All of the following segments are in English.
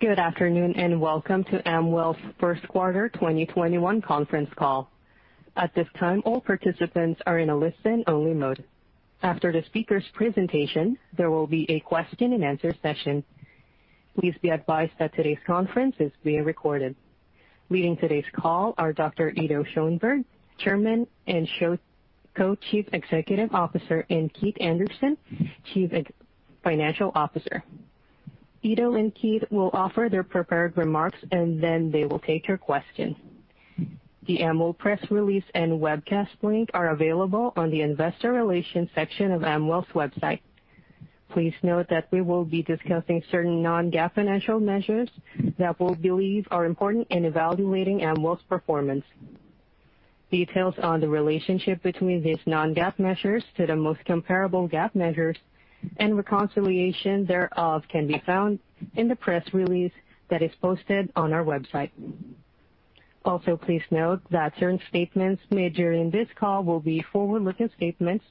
Good afternoon, and welcome to Amwell's first quarter 2021 conference call. At this time, all participants are in a listen-only mode. After the speaker's presentation, there will be a question and answer session. Please be advised that today's conference is being recorded. Leading today's call are Dr. Ido Schoenberg, Chairman and Co-Chief Executive Officer, and Keith Anderson, Chief Financial Officer. Ido and Keith will offer their prepared remarks, and then they will take your question. The Amwell press release and webcast link are available on the investor relations section of Amwell's website. Please note that we will be discussing certain non-GAAP financial measures that we believe are important in evaluating Amwell's performance. Details on the relationship between these non-GAAP measures to the most comparable GAAP measures and reconciliation thereof can be found in the press release that is posted on our website. Also, please note that certain statements made during this call will be forward-looking statements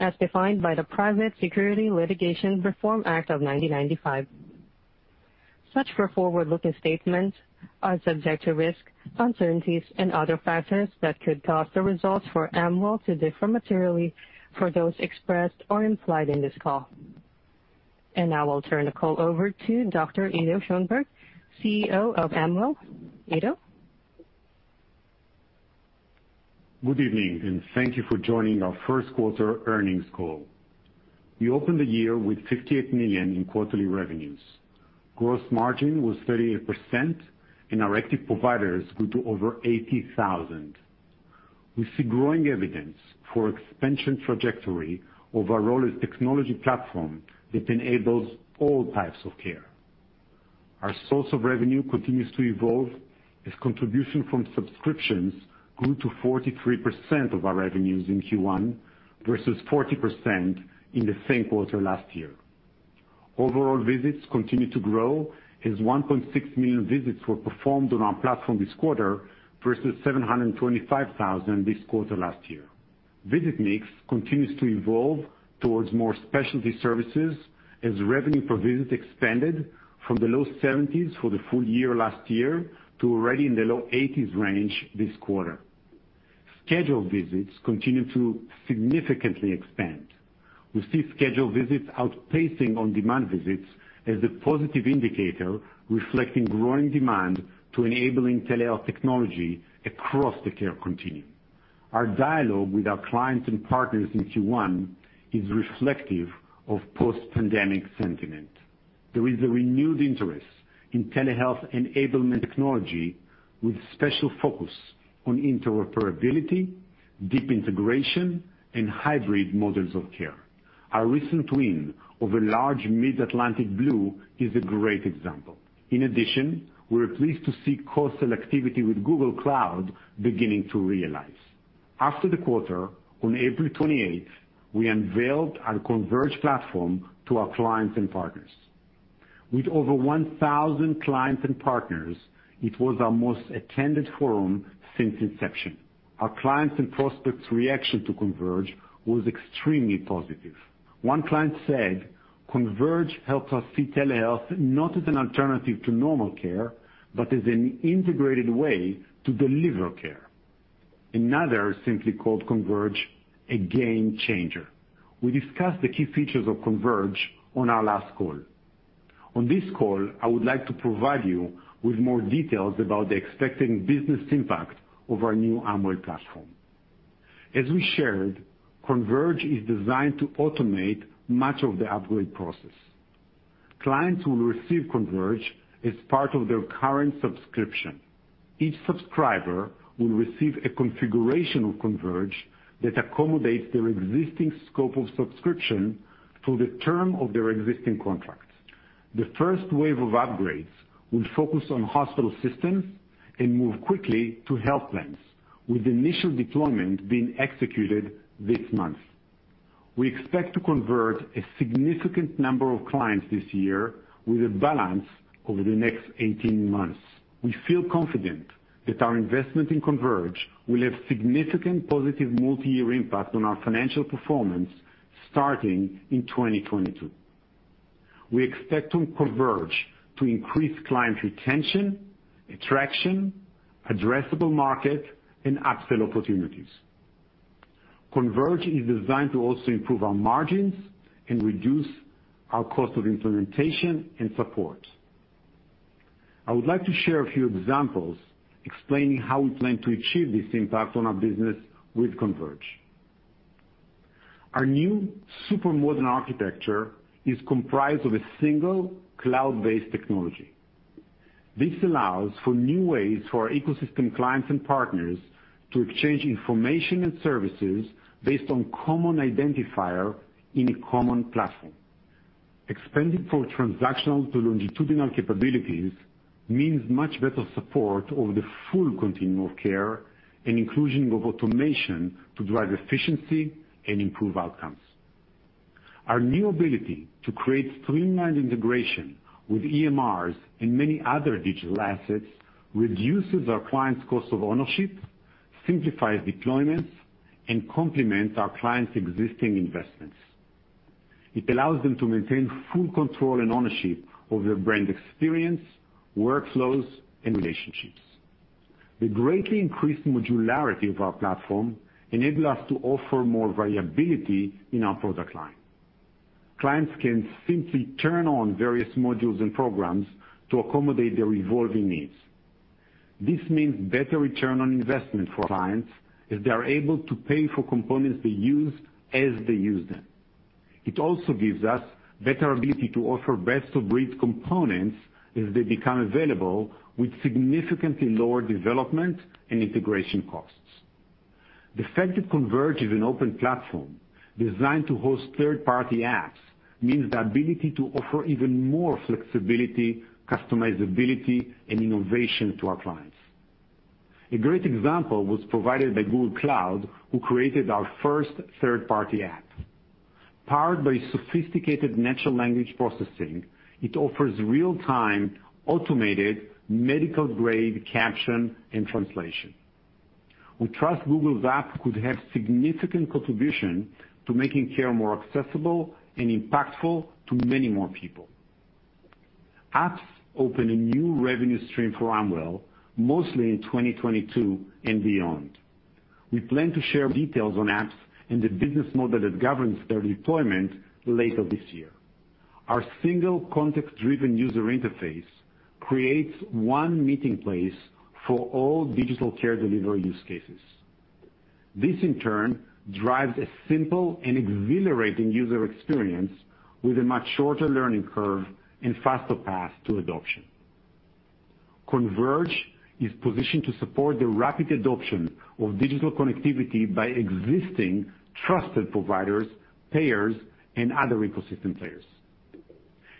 as defined by the Private Securities Litigation Reform Act of 1995. Such forward-looking statements are subject to risks, uncertainties, and other factors that could cause the results for Amwell to differ materially for those expressed or implied in this call. Now I'll turn the call over to Dr. Ido Schoenberg, CEO of Amwell. Ido? Good evening, and thank you for joining our first-quarter earnings call. We opened the year with $58 million in quarterly revenues. Gross margin was 38%, and our active providers grew to over 80,000. We see growing evidence for expansion trajectory of our role as technology platform that enables all types of care. Our source of revenue continues to evolve as contribution from subscriptions grew to 43% of our revenues in Q1 versus 40% in the same quarter last year. Overall visits continue to grow as 1.6 million visits were performed on our platform this quarter versus 725,000 this quarter last year. Visit mix continues to evolve towards more specialty services as revenue per visit expanded from the low 70s for the full-year last year to already in the low 80s range this quarter. Scheduled visits continue to significantly expand. We see scheduled visits outpacing on-demand visits as a positive indicator reflecting growing demand to enabling telehealth technology across the care continuum. Our dialogue with our clients and partners in Q1 is reflective of post-pandemic sentiment. There is a renewed interest in telehealth enablement technology with special focus on interoperability, deep integration, and hybrid models of care. Our recent win over large Mid-Atlantic Blue is a great example. In addition, we're pleased to see co-sell activity with Google Cloud beginning to realize. After the quarter, on April 28th, we unveiled our Converge platform to our clients and partners. With over 1,000 clients and partners, it was our most attended forum since inception. Our clients and prospects' reaction to Converge was extremely positive. One client said, "Converge helps us see telehealth not as an alternative to normal care, but as an integrated way to deliver care." Another simply called Converge a game-changer. We discussed the key features of Converge on our last call. On this call, I would like to provide you with more details about the expected business impact of our new Amwell platform. As we shared, Converge is designed to automate much of the upgrade process. Clients will receive Converge as part of their current subscription. Each subscriber will receive a configuration of Converge that accommodates their existing scope of subscription for the term of their existing contract. The first wave of upgrades will focus on hospital systems and move quickly to health plans, with initial deployment being executed this month. We expect to convert a significant number of clients this year with a balance over the next 18 months. We feel confident that our investment in Converge will have significant positive multi-year impact on our financial performance starting in 2022. We expect Converge to increase client retention, attraction, addressable market, and upsell opportunities. Converge is designed to also improve our margins and reduce our cost of implementation and support. I would like to share a few examples explaining how we plan to achieve this impact on our business with Converge. Our new super modern architecture is comprised of a single cloud-based technology. This allows for new ways for our ecosystem clients and partners to exchange information and services based on common identifier in a common platform. Expanding from transactional to longitudinal capabilities means much better support over the full continuum of care and inclusion of automation to drive efficiency and improve outcomes. Our new ability to create streamlined integration with EMRs and many other digital assets reduces our clients' cost of ownership, simplifies deployments and complements our clients' existing investments. It allows them to maintain full control and ownership of their brand experience, workflows, and relationships. The greatly increased modularity of our platform enable us to offer more variability in our product line. Clients can simply turn on various modules and programs to accommodate their evolving needs. This means better return on investment for clients as they are able to pay for components they use as they use them. It also gives us better ability to offer best of breed components as they become available, with significantly lower development and integration costs. The fact that Converge is an open platform designed to host third-party apps means the ability to offer even more flexibility, customizability, and innovation to our clients. A great example was provided by Google Cloud, who created our first third-party app. Powered by sophisticated natural language processing, it offers real-time, automated medical grade caption and translation. We trust Google's app could have significant contribution to making care more accessible and impactful to many more people. Apps open a new revenue stream for Amwell, mostly in 2022 and beyond. We plan to share details on apps and the business model that governs their deployment later this year. Our single context-driven user interface creates one meeting place for all digital care delivery use cases. This in turn drives a simple and exhilarating user experience with a much shorter learning curve and faster path to adoption. Converge is positioned to support the rapid adoption of digital connectivity by existing trusted providers, payers, and other ecosystem players.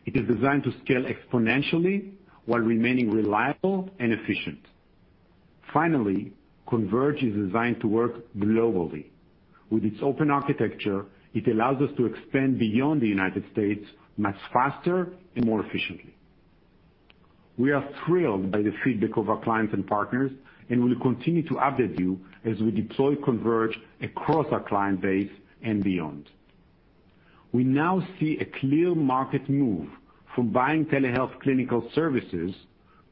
It is designed to scale exponentially while remaining reliable and efficient. Finally, Converge is designed to work globally. With its open architecture, it allows us to expand beyond the United States much faster and more efficiently. We are thrilled by the feedback of our clients and partners, and will continue to update you as we deploy Converge across our client base and beyond. We now see a clear market move from buying telehealth clinical services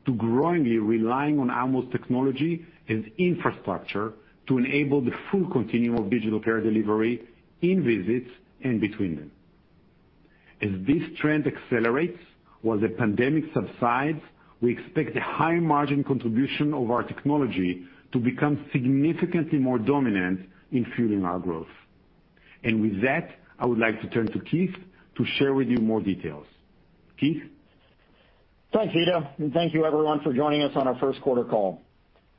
to growingly relying on Amwell's technology and infrastructure to enable the full continuum of digital care delivery in visits and between them. As this trend accelerates while the pandemic subsides, we expect the high margin contribution of our technology to become significantly more dominant in fueling our growth. With that, I would like to turn to Keith to share with you more details. Keith? Thanks, Ido. Thank you everyone for joining us on our first quarter call.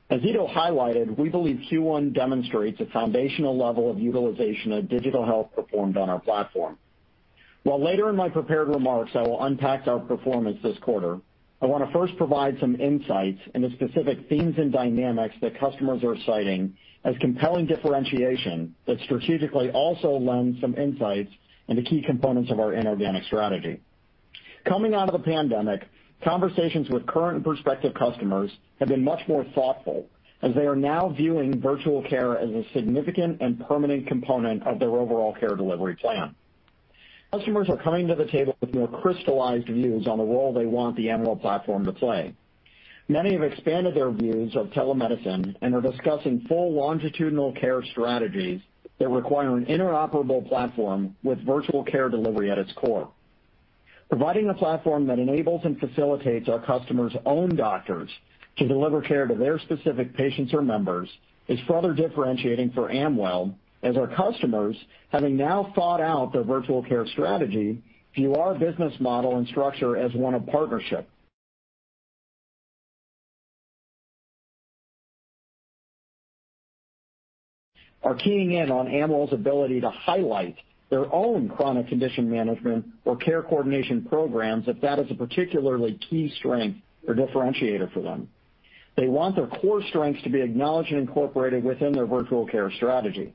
As Ido highlighted, we believe Q1 demonstrates a foundational level of utilization of digital health performed on our platform. While later in my prepared remarks I will unpack our performance this quarter, I want to first provide some insights into specific themes and dynamics that customers are citing as compelling differentiation that strategically also lends some insights into key components of our inorganic strategy. Coming out of the pandemic, conversations with current and prospective customers have been much more thoughtful as they are now viewing virtual care as a significant and permanent component of their overall care delivery plan. Customers are coming to the table with more crystallized views on the role they want the Amwell platform to play. Many have expanded their views of telemedicine and are discussing full longitudinal care strategies that require an interoperable platform with virtual care delivery at its core. Providing a platform that enables and facilitates our customers' own doctors to deliver care to their specific patients or members is further differentiating for Amwell as our customers, having now thought out their virtual care strategy, view our business model and structure as one of partnership. They are keying in on Amwell's ability to highlight their own chronic condition management or care coordination programs if that is a particularly key strength or differentiator for them. They want their core strengths to be acknowledged and incorporated within their virtual care strategy.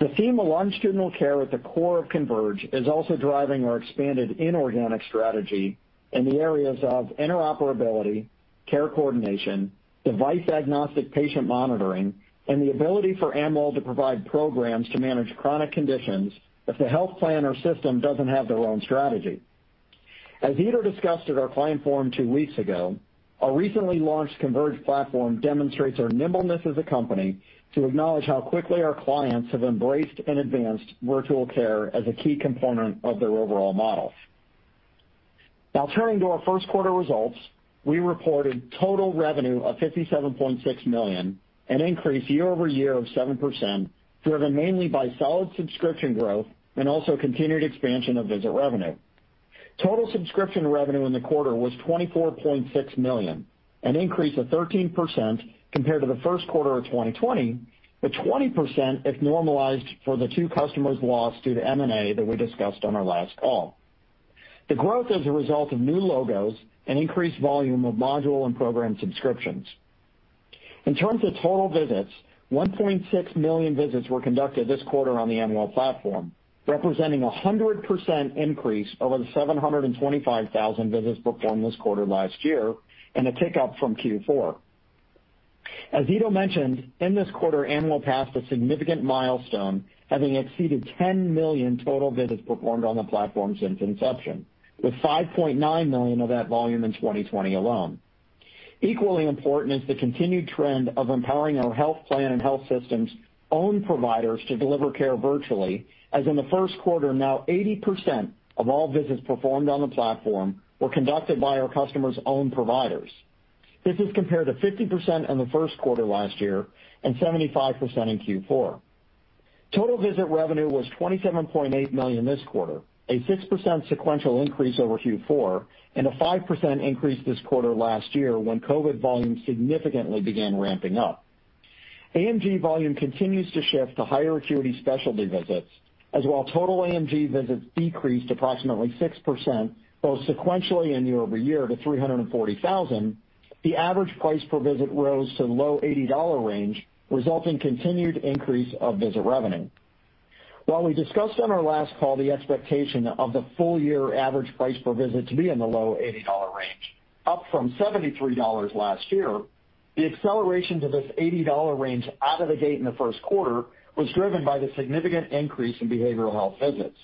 The theme of longitudinal care at the core of Converge is also driving our expanded inorganic strategy in the areas of interoperability, care coordination, device agnostic patient monitoring, and the ability for Amwell to provide programs to manage chronic conditions if the health plan or system doesn't have their own strategy. As Ido discussed at our client forum two weeks ago, our recently launched Converge platform demonstrates our nimbleness as a company to acknowledge how quickly our clients have embraced and advanced virtual care as a key component of their overall models. Now turning to our first quarter results, we reported total revenue of $57.6 million, an increase year-over-year of 7%, driven mainly by solid subscription growth and also continued expansion of visitor revenue. Total subscription revenue in the quarter was $24.6 million, an increase of 13% compared to the first quarter of 2020, but 20% if normalized for the two customers lost due to M&A that we discussed on our last call. The growth is a result of new logos and increased volume of module and program subscriptions. In terms of total visits, 1.6 million visits were conducted this quarter on the Amwell platform, representing 100% increase over the 725,000 visits performed this quarter last year, and a tick up from Q4. As Ido mentioned, in this quarter, Amwell passed a significant milestone, having exceeded 10 million total visits performed on the platform since inception, with 5.9 million of that volume in 2020 alone. Equally important is the continued trend of empowering our health plan and health systems' own providers to deliver care virtually, as in the first quarter now 80% of all visits performed on the platform were conducted by our customers' own providers. This is compared to 50% in the first quarter last year and 75% in Q4. Total visit revenue was $27.8 million this quarter, a 6% sequential increase over Q4, and a 5% increase this quarter last year when COVID volumes significantly began ramping up. AMG volume continues to shift to higher acuity specialty visits, as while total AMG visits decreased approximately 6%, both sequentially and year-over-year to 340,000, the average price per visit rose to the low $80 range, resulting continued increase of visit revenue. While we discussed on our last call the expectation of the full-year average price per visit to be in the low $80 range, up from $73 last year, the acceleration to this $80 range out of the gate in the first quarter was driven by the significant increase in behavioral health visits.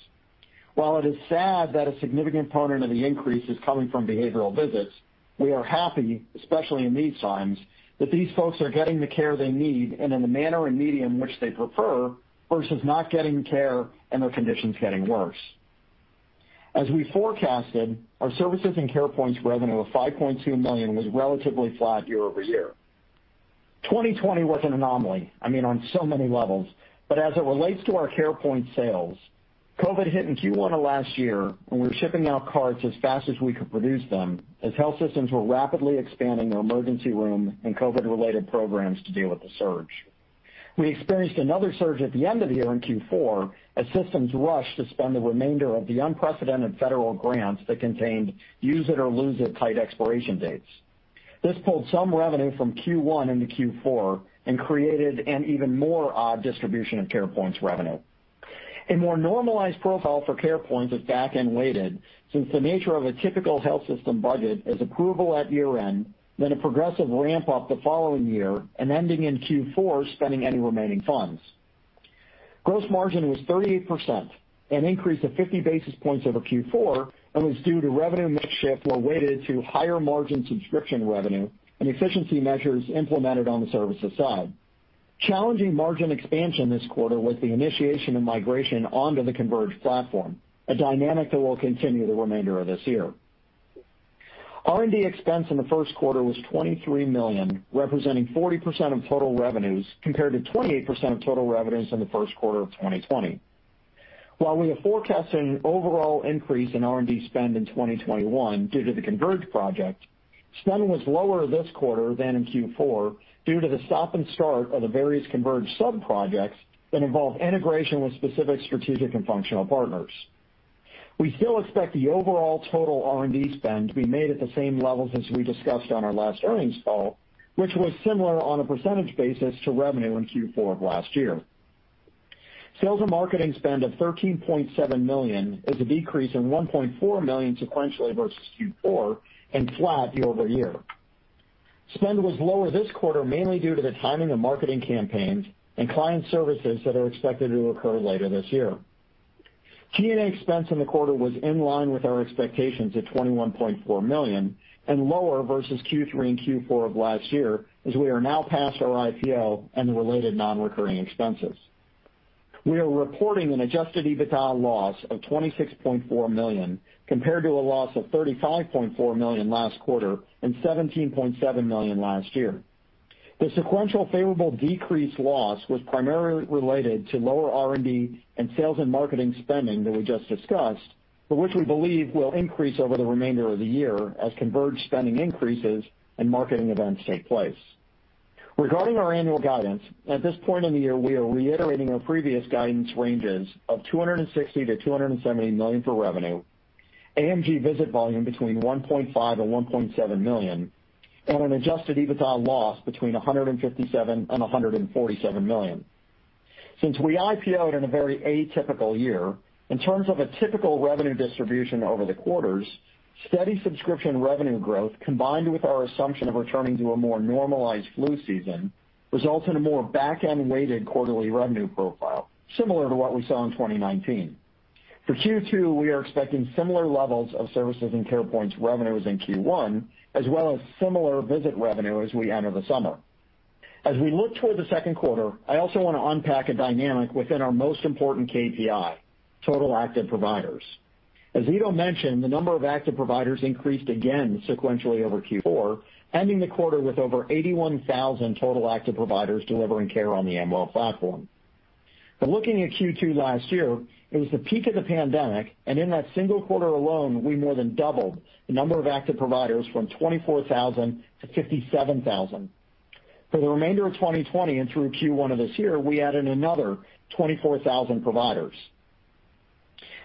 While it is sad that a significant component of the increase is coming from behavioral visits, we are happy, especially in these times, that these folks are getting the care they need and in the manner and medium which they prefer, versus not getting care and their conditions getting worse. As we forecasted, our services and CarePoint's revenue of $5.2 million was relatively flat year-over-year. 2020 was an anomaly, I mean, on so many levels, but as it relates to our CarePoint sales, COVID hit in Q1 of last year when we were shipping out carts as fast as we could produce them, as health systems were rapidly expanding their emergency room and COVID-related programs to deal with the surge. We experienced another surge at the end of the year in Q4 as systems rushed to spend the remainder of the unprecedented federal grants that contained use it or lose it tight expiration dates. This pulled some revenue from Q1 into Q4 and created an even more odd distribution of CarePoint's revenue. A more normalized profile for CarePoint is back-end weighted, since the nature of a typical health system budget is approval at year-end, then a progressive ramp-up the following year, and ending in Q4, spending any remaining funds. Gross margin was 38%, an increase of 50 basis points over Q4, and was due to revenue mix shift were weighted to higher margin subscription revenue and efficiency measures implemented on the services side. Challenging margin expansion this quarter was the initiation of migration onto the Converge platform, a dynamic that will continue the remainder of this year. R&D expense in the first quarter was $23 million, representing 40% of total revenues, compared to 28% of total revenues in the first quarter of 2020. While we have forecasted an overall increase in R&D spend in 2021 due to the Converge project, spend was lower this quarter than in Q4 due to the stop and start of the various Converge sub-projects that involve integration with specific strategic and functional partners. We still expect the overall total R&D spend to be made at the same levels as we discussed on our last earnings call, which was similar on a percentage basis to revenue in Q4 of last year. Sales and marketing spend of $13.7 million is a decrease of $1.4 million sequentially versus Q4 and flat year-over-year. Spend was lower this quarter mainly due to the timing of marketing campaigns and client services that are expected to occur later this year. G&A expense in the quarter was in line with our expectations at $21.4 million and lower versus Q3 and Q4 of last year, as we are now past our IPO and the related non-recurring expenses. We are reporting an adjusted EBITDA loss of $26.4 million, compared to a loss of $35.4 million last quarter and $17.7 million last year. The sequential favorable decreased loss was primarily related to lower R&D and sales and marketing spending that we just discussed, but which we believe will increase over the remainder of the year as Converge spending increases and marketing events take place. Regarding our annual guidance, at this point in the year, we are reiterating our previous guidance ranges of $260 million-$270 million for revenue, AMG visit volume between 1.5 million and 1.7 million, and an adjusted EBITDA loss between $157 million and $147 million. Since we IPO'd in a very atypical year, in terms of a typical revenue distribution over the quarters, steady subscription revenue growth combined with our assumption of returning to a more normalized flu season, results in a more back-end weighted quarterly revenue profile, similar to what we saw in 2019. For Q2, we are expecting similar levels of services and Carepoint revenues in Q1, as well as similar visit revenue as we enter the summer. We look toward the second quarter, I also want to unpack a dynamic within our most important KPI, total active providers. Ido mentioned, the number of active providers increased again sequentially over Q4, ending the quarter with over 81,000 total active providers delivering care on the Amwell platform. Looking at Q2 last year, it was the peak of the pandemic, and in that single quarter alone, we more than doubled the number of active providers from 24,000-57,000. For the remainder of 2020 and through Q1 of this year, we added another 24,000 providers.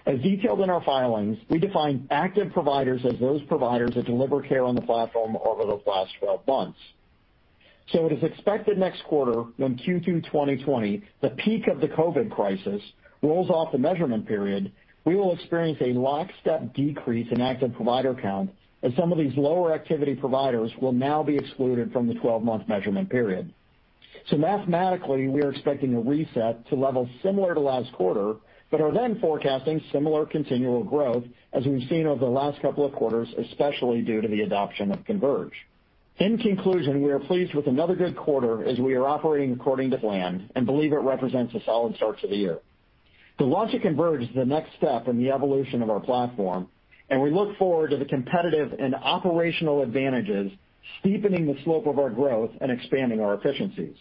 Detailed in our filings, we define active providers as those providers that deliver care on the platform over the last 12 months. It is expected next quarter, when Q2 2020, the peak of the COVID crisis, rolls off the measurement period, we will experience a lockstep decrease in active provider count as some of these lower activity providers will now be excluded from the 12 month measurement period. Mathematically, we are expecting a reset to levels similar to last quarter, but are then forecasting similar continual growth as we've seen over the last couple of quarters, especially due to the adoption of Converge. In conclusion, we are pleased with another good quarter as we are operating according to plan and believe it represents a solid start to the year. The launch of Converge is the next step in the evolution of our platform, and we look forward to the competitive and operational advantages steepening the slope of our growth and expanding our efficiencies.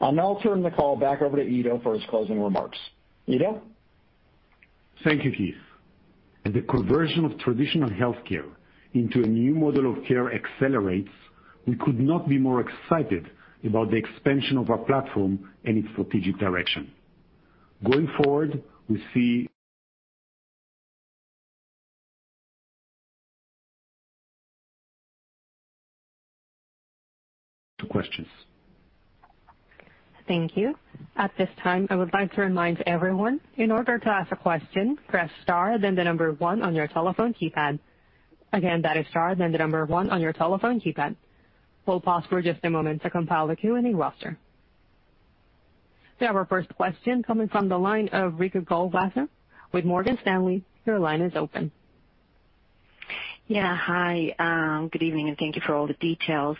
I'll now turn the call back over to Ido for his closing remarks. Ido? Thank you, Keith. As the conversion of traditional healthcare into a new model of care accelerates, we could not be more excited about the expansion of our platform and its strategic direction. Going forward, we see to questions. Thank you. At this time, I would like to remind everyone, in order to ask a question, press star then the one on your telephone keypad. Again, that is star then the one on your telephone keypad. We'll pause for just a moment to compile the Q&A roster. We have our first question coming from the line of Ricky Goldwasser with Morgan Stanley. Your line is open. Yeah. Hi. Good evening, and thank you for all the details.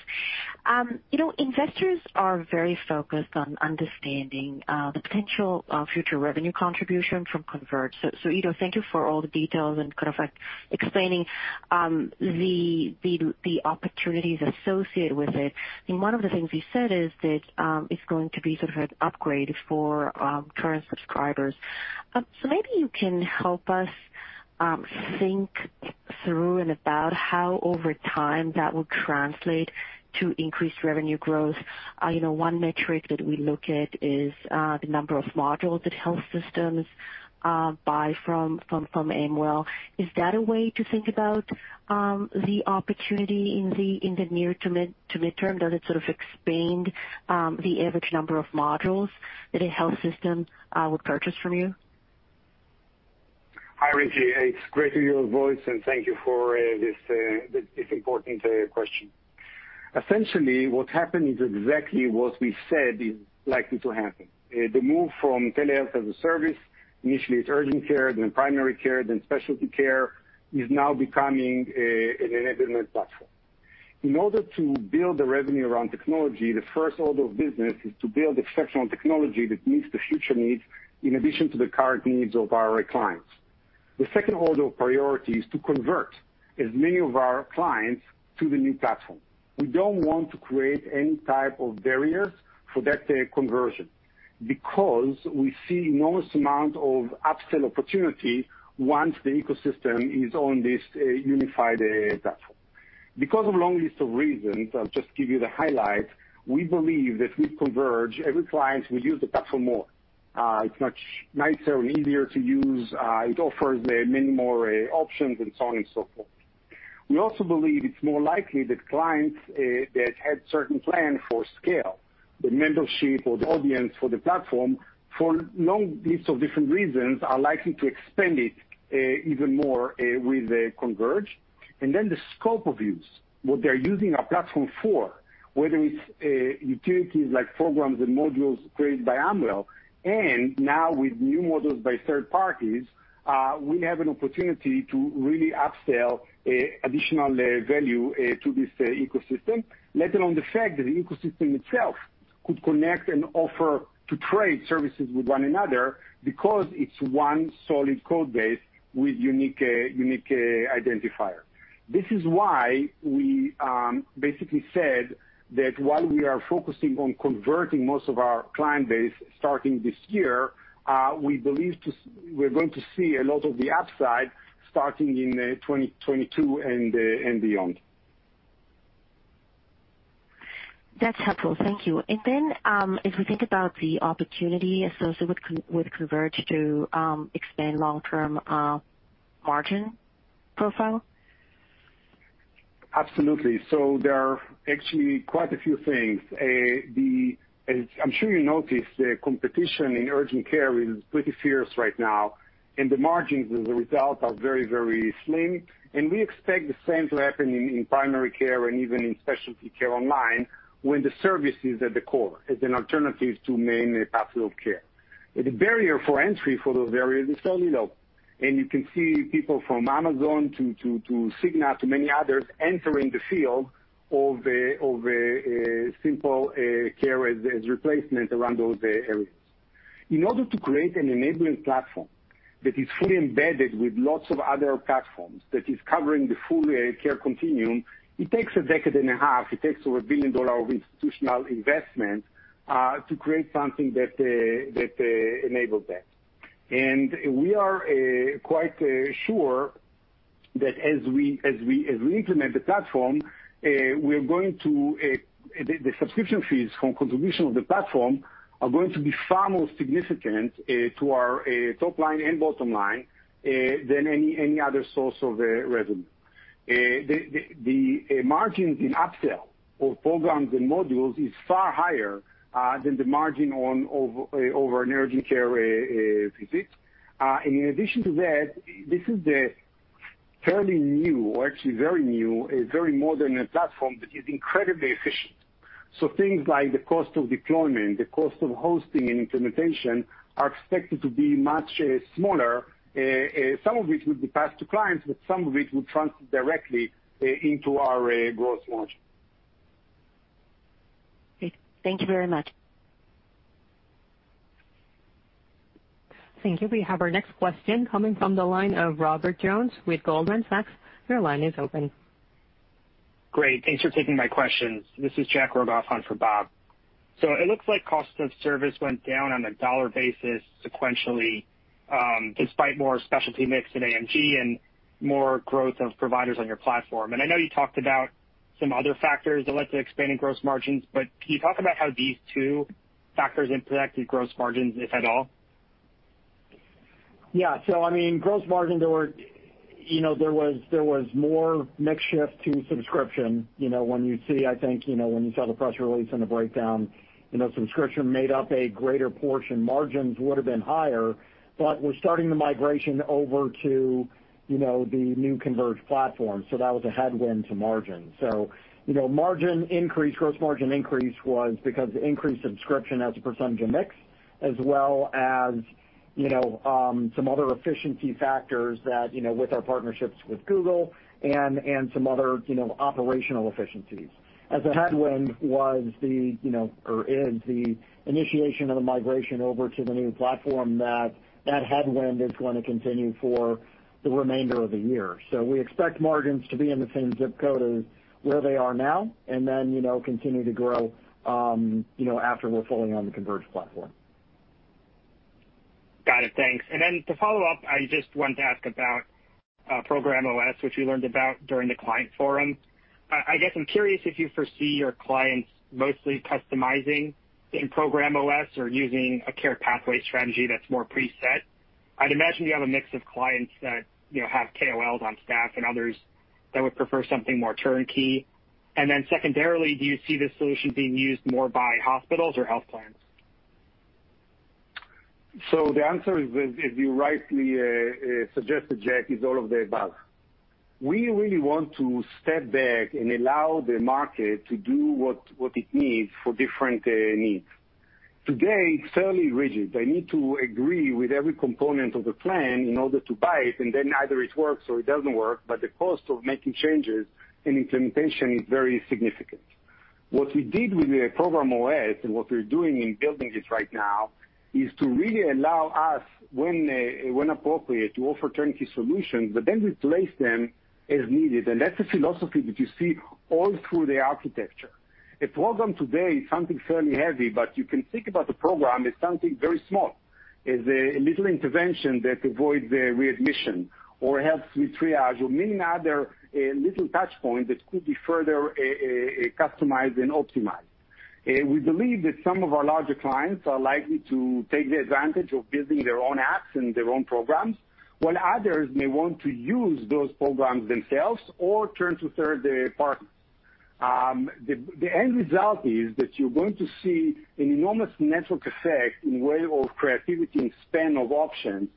Investors are very focused on understanding the potential of future revenue contribution from Converge. Ido, thank you for all the details and kind of like explaining the opportunities associated with it. One of the things you said is that it's going to be sort of an upgrade for current subscribers. Maybe you can help us think through and about how over time that will translate to increased revenue growth. One metric that we look at is the number of modules that health systems buy from Amwell. Is that a way to think about the opportunity in the near to midterm? Does it sort of expand the average number of modules that a health system will purchase from you? Hi, Ricky. It's great to hear your voice, and thank you for this important question. Essentially, what happened is exactly what we said is likely to happen. The move from telehealth as a service, initially it's urgent care, then primary care, then specialty care, is now becoming an enablement platform. In order to build the revenue around technology, the first order of business is to build exceptional technology that meets the future needs in addition to the current needs of our clients. The second order of priority is to convert as many of our clients to the new platform. We don't want to create any type of barriers for that conversion because we see enormous amount of upsell opportunity once the ecosystem is on this unified platform. A long list of reasons, I'll just give you the highlight, we believe that with Converge, every client will use the platform more. It's much nicer and easier to use. It offers many more options and so on and so forth. We also believe it's more likely that clients that had certain plan for scale, the membership or the audience for the platform, for long lists of different reasons, are likely to expand it even more with Converge. The scope of use, what they're using our platform for, whether it's utilities like programs and modules created by Amwell, and now with new modules by third parties, we have an opportunity to really upsell additional value to this ecosystem. Let alone the fact that the ecosystem itself could connect and offer to trade services with one another because it's one solid code base with unique identifier. This is why we basically said that while we are focusing on converting most of our client base starting this year, we believe we're going to see a lot of the upside starting in 2022 and beyond. That's helpful. Thank you. If we think about the opportunity associated with Converge to expand long-term margin profile? Absolutely. There are actually quite a few things. As I'm sure you noticed, the competition in urgent care is pretty fierce right now, and the margins as a result are very, very slim, and we expect the same to happen in primary care and even in specialty care online when the service is at the core as an alternative to main path of care. The barrier for entry for those areas is fairly low, and you can see people from Amazon to Cigna to many others entering the field of simple care as replacement around those areas. In order to create an enabling platform that is fully embedded with lots of other platforms, that is covering the full care continuum, it takes a decade and a half. It takes over $1 billion of institutional investment to create something that enables that. We are quite sure That as we implement the platform, the subscription fees from contribution of the platform are going to be far more significant to our top line and bottom line, than any other source of revenue. The margins in upsell of programs and modules is far higher than the margin over an urgent care visit. In addition to that, this is a fairly new, or actually very new, very modern platform that is incredibly efficient. Things like the cost of deployment, the cost of hosting and implementation are expected to be much smaller, some of which will be passed to clients, but some of which will transit directly into our gross margin. Great. Thank you very much. Thank you. We have our next question coming from the line of Robert Jones with Goldman Sachs. Your line is open. Great. Thanks for taking my questions. This is Jack Rogoff on for Bob. It looks like cost of service went down on a dollar basis sequentially, despite more specialty mix in AMG and more growth of providers on your platform. I know you talked about some other factors that led to expanding gross margins, can you talk about how these two factors impacted gross margins, if at all? Yeah. Gross margin, there was more mix shift to subscription. When you saw the press release and the breakdown, subscription made up a greater portion. Margins would've been higher, we're starting the migration over to the new Converge platform. That was a headwind to margin. Gross margin increase was because the increased subscription as a percentage of mix, as well as some other efficiency factors with our partnerships with Google and some other operational efficiencies. As a headwind was the initiation of the migration over to the new platform, that headwind is going to continue for the remainder of the year. We expect margins to be in the same zip code as where they are now, continue to grow after we're fully on the Converge platform. Got it. Thanks. Then to follow up, I just wanted to ask about Program OS, which we learned about during the client forum. I guess I'm curious if you foresee your clients mostly customizing in Program OS or using a care pathway strategy that's more preset. I'd imagine you have a mix of clients that have KOLs on staff and others that would prefer something more turnkey. Then secondarily, do you see this solution being used more by hospitals or health plans? The answer is, as you rightly suggested, Jack, is all of the above. We really want to step back and allow the market to do what it needs for different needs. Today, it's fairly rigid. I need to agree with every component of the plan in order to buy it, and then either it works or it doesn't work, but the cost of making changes and implementation is very significant. What we did with the Program OS, and what we're doing in building it right now, is to really allow us, when appropriate, to offer turnkey solutions, but then replace them as needed. That's a philosophy that you see all through the architecture. A program today is something fairly heavy, but you can think about the program as something very small, as a little intervention that avoids readmission or helps with triage or many other little touch points that could be further customized and optimized. We believe that some of our larger clients are likely to take the advantage of building their own apps and their own programs, while others may want to use those programs themselves or turn to third parties. The end result is that you're going to see an enormous network effect in way of creativity and span of options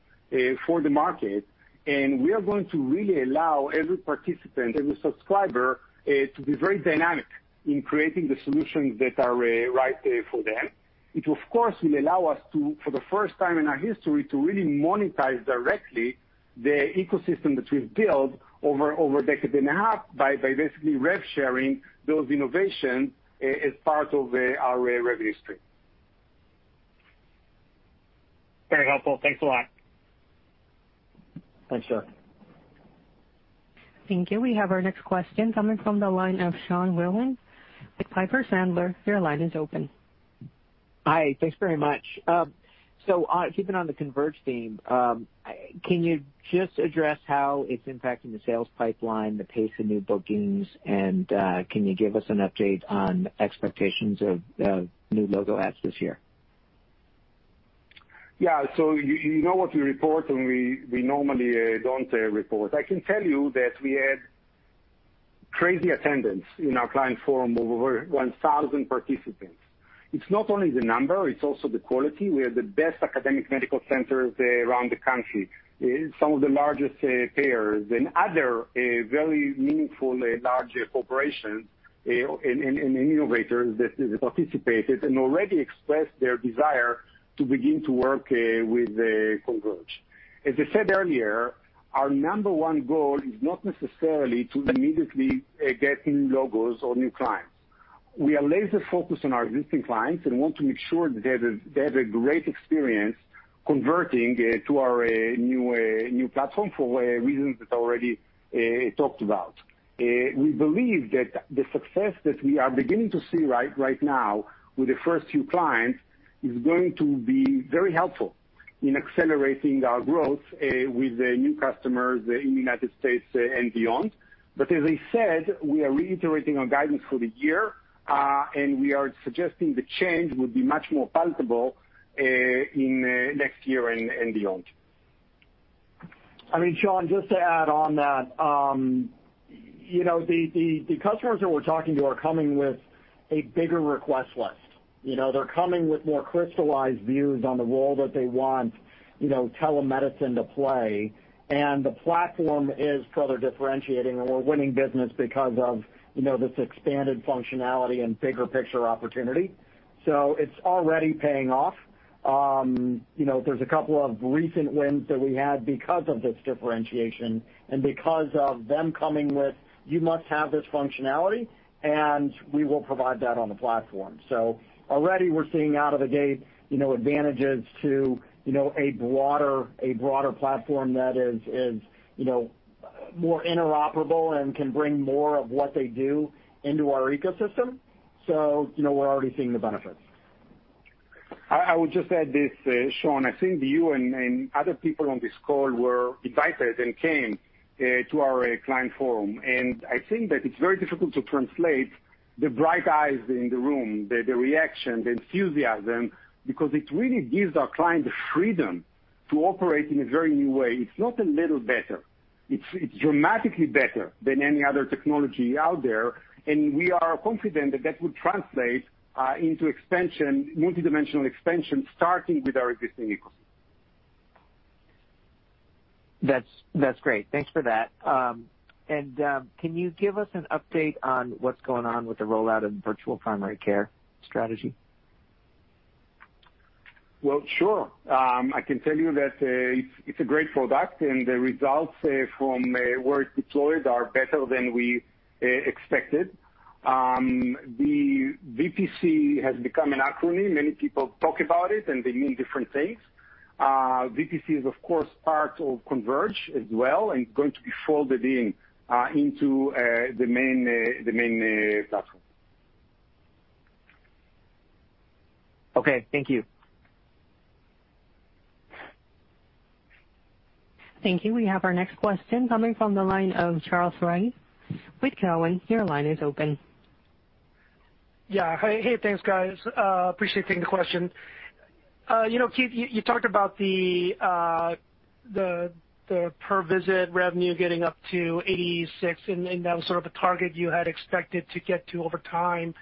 for the market, and we are going to really allow every participant, every subscriber, to be very dynamic in creating the solutions that are right for them. It, of course, will allow us to, for the first time in our history, to really monetize directly the ecosystem that we've built over a decade and a half by basically rev sharing those innovations as part of our revenue stream. Very helpful. Thanks a lot. Thanks, Jack. Thank you. We have our next question coming from the line of Sean Wieland with Piper Sandler. Your line is open. Hi. Thanks very much. Keeping on the Converge theme, can you just address how it's impacting the sales pipeline, the pace of new bookings, and can you give us an update on expectations of new logo adds this year? Yeah. You know what we report, and we normally don't report. I can tell you that we had crazy attendance in our client forum, over 1,000 participants. It's not only the number, it's also the quality. We had the best academic medical centers around the country, some of the largest payers, and other very meaningful large corporations and innovators that participated and already expressed their desire to begin to work with Converge. As I said earlier, our number one goal is not necessarily to immediately get new logos or new clients. We are laser-focused on our existing clients and want to make sure that they have a great experience converting to our new platform for reasons that I already talked about. We believe that the success that we are beginning to see right now with the first few clients is going to be very helpful in accelerating our growth with the new customers in the U.S. and beyond. As I said, we are reiterating our guidance for the year, and we are suggesting the change would be much more palpable in next year and beyond. Sean, just to add on that. The customers that we're talking to are coming with a bigger request list. They're coming with more crystallized views on the role that they want telemedicine to play. The platform is further differentiating. We're winning business because of this expanded functionality and bigger picture opportunity. It's already paying off. There's a couple of recent wins that we had because of this differentiation and because of them coming with, "You must have this functionality." We will provide that on the platform. Already we're seeing out of the gate, advantages to a broader platform that is more interoperable and can bring more of what they do into our ecosystem. We're already seeing the benefits. I would just add this, Sean, I think you and other people on this call were invited and came to our client forum, and I think that it's very difficult to translate the bright eyes in the room, the reaction, the enthusiasm, because it really gives our client the freedom to operate in a very new way. It's not a little better. It's dramatically better than any other technology out there, and we are confident that that would translate into expansion, multi-dimensional expansion, starting with our existing ecosystem. That's great. Thanks for that. Can you give us an update on what's going on with the rollout of virtual primary care strategy? Well, sure. I can tell you that it's a great product and the results from where it's deployed are better than we expected. The VPC has become an acronym. Many people talk about it, and they mean different things. VPC is of course part of Converge as well and going to be folded in into the main platform. Okay. Thank you. Thank you. We have our next question coming from the line of Charles Rhyee with Cowen. Your line is open. Yeah. Hey, thanks, guys. Appreciate taking the question. Keith, you talked about the per visit revenue getting up to $86, and that was sort of a target you had expected to get to over time.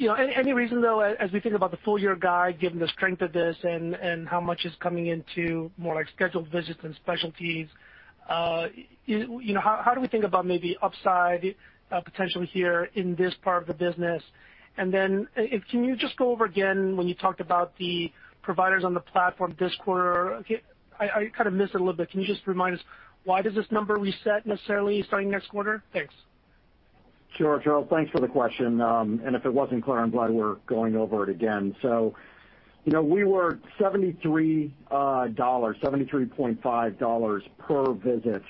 Any reason, though, as we think about the full-year guide, given the strength of this and how much is coming into more like scheduled visits and specialties, how do we think about maybe upside potential here in this part of the business? Can you just go over again when you talked about the providers on the platform this quarter? I kind of missed it a little bit. Can you just remind us why does this number reset necessarily starting next quarter? Thanks. Sure, Charles, thanks for the question. If it wasn't clear, I'm glad we're going over it again. We were $73.5 per visit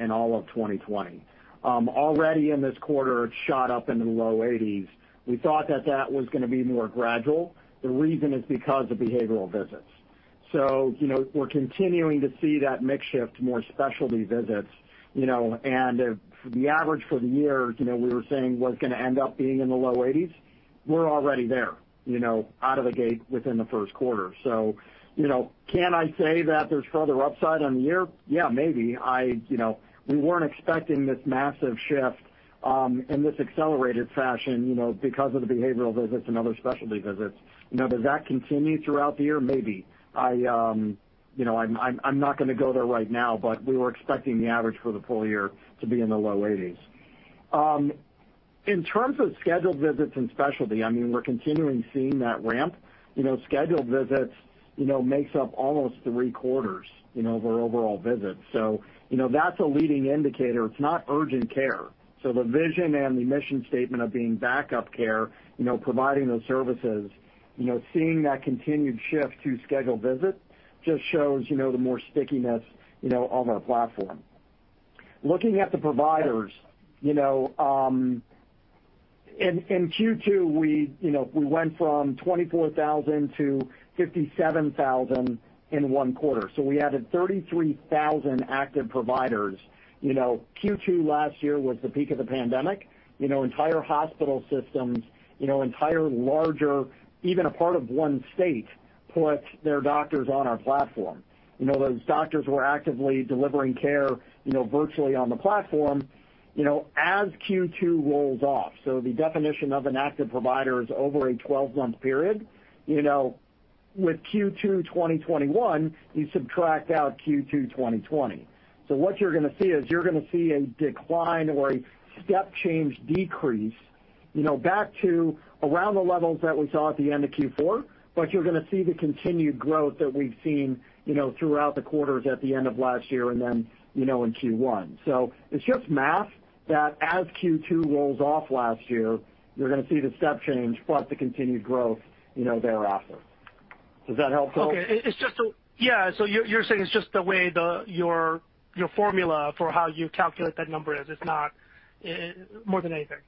in all of 2020. Already in this quarter, it shot up into the low $80s. We thought that that was going to be more gradual. The reason is because of behavioral visits. We're continuing to see that mix shift to more specialty visits, and if the average for the year we were saying was going to end up being in the low $80s, we're already there, out of the gate within the first quarter. Can I say that there's further upside on the year? Yeah, maybe. We weren't expecting this massive shift in this accelerated fashion because of the behavioral visits and other specialty visits. Does that continue throughout the year? Maybe. I'm not going to go there right now. We were expecting the average for the full-year to be in the low 80s. In terms of scheduled visits and specialty, we're continuing seeing that ramp. Scheduled visits makes up almost three-quarters of our overall visits. That's a leading indicator. It's not urgent care. The vision and the mission statement of being backup care, providing those services, seeing that continued shift to scheduled visits just shows the more stickiness on our platform. Looking at the providers, in Q2, we went from 24,000 to 57,000 in one quarter. We added 33,000 active providers. Q2 last year was the peak of the pandemic. Entire hospital systems, entire larger, even a part of one state, put their doctors on our platform. Those doctors were actively delivering care virtually on the platform. As Q2 rolls off, the definition of an active provider is over a 12 month period. With Q2 2021, you subtract out Q2 2020. What you're going to see is you're going to see a decline or a step change decrease back to around the levels that we saw at the end of Q4, but you're going to see the continued growth that we've seen throughout the quarters at the end of last year and then in Q1. It's just math that as Q2 rolls off last year, you're going to see the step change, but the continued growth thereafter. Is that helpful? Okay. Yeah. You're saying it's just the way your formula for how you calculate that number is, it's not more than anything.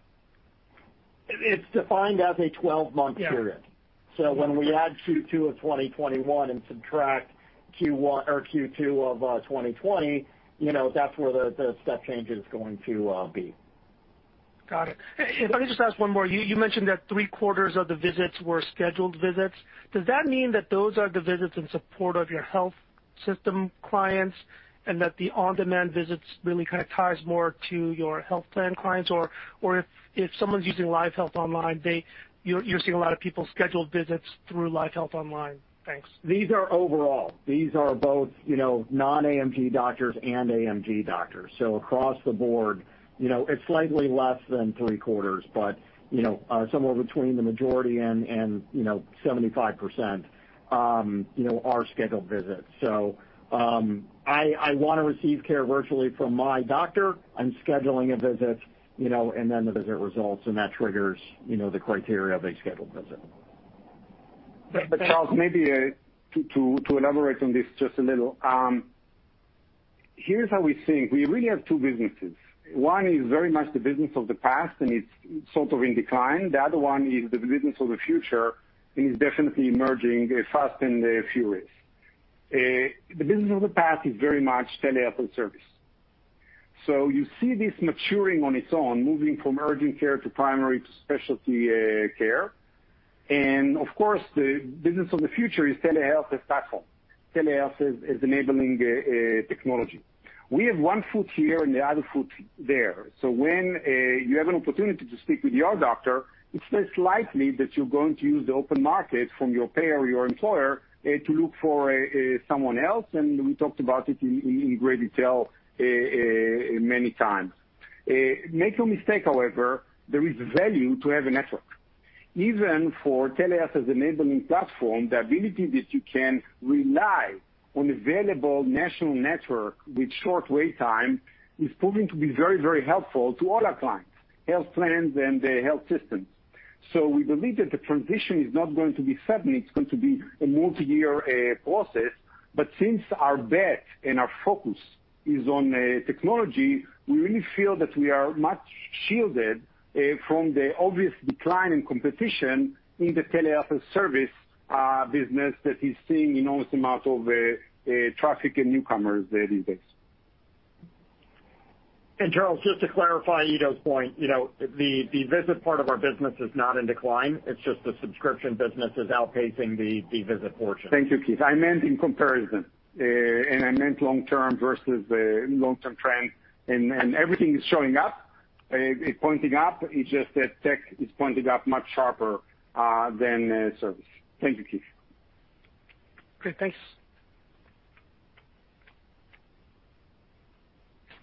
It's defined as a 12 month period. Yeah. When we add Q2 of 2021 and subtract Q2 of 2020, that's where the step change is going to be. Got it. Let me just ask one more. You mentioned that three-quarters of the visits were scheduled visits. Does that mean that those are the visits in support of your health system clients, and that the on-demand visits really kind of ties more to your health plan clients? If someone's using LiveHealth Online, you're seeing a lot of people schedule visits through LiveHealth Online. Thanks. These are overall. These are both non-AMG doctors and AMG doctors. Across the board, it's slightly less than three-quarters, but somewhere between the majority and 75% are scheduled visits. I want to receive care virtually from my doctor. I'm scheduling a visit, and then the visit results, and that triggers the criteria of a scheduled visit. Great. Charles, maybe to elaborate on this just a little. Here's how we think. We really have two businesses. One is very much the business of the past, and it's sort of in decline. The other one is the business of the future, and it's definitely emerging fast and furious. The business of the past is very much telehealth as service. You see this maturing on its own, moving from urgent care to primary to specialty care. Of course, the business of the future is telehealth as platform, telehealth as enabling technology. We have one foot here and the other foot there. When you have an opportunity to speak with your doctor, it's less likely that you're going to use the open market from your payer or your employer to look for someone else, and we talked about it in great detail many times. Make no mistake, however, there is value to have a network. Even for telehealth as enabling platform, the ability that you can rely on available national network with short wait time is proving to be very, very helpful to all our clients, health plans and health systems. We believe that the transition is not going to be sudden. It's going to be a multi-year process. Since our bet and our focus is on technology, we really feel that we are much shielded from the obvious decline in competition in the telehealth as service business that is seeing enormous amount of traffic and newcomers these days. Charles, just to clarify Ido's point, the visit part of our business is not in decline. It's just the subscription business is outpacing the visit portion. Thank you, Keith. I meant in comparison. I meant long term versus long-term trend. Everything is showing up. It's pointing up. It's just that tech is pointing up much sharper than service. Thank you, Keith. Great. Thanks.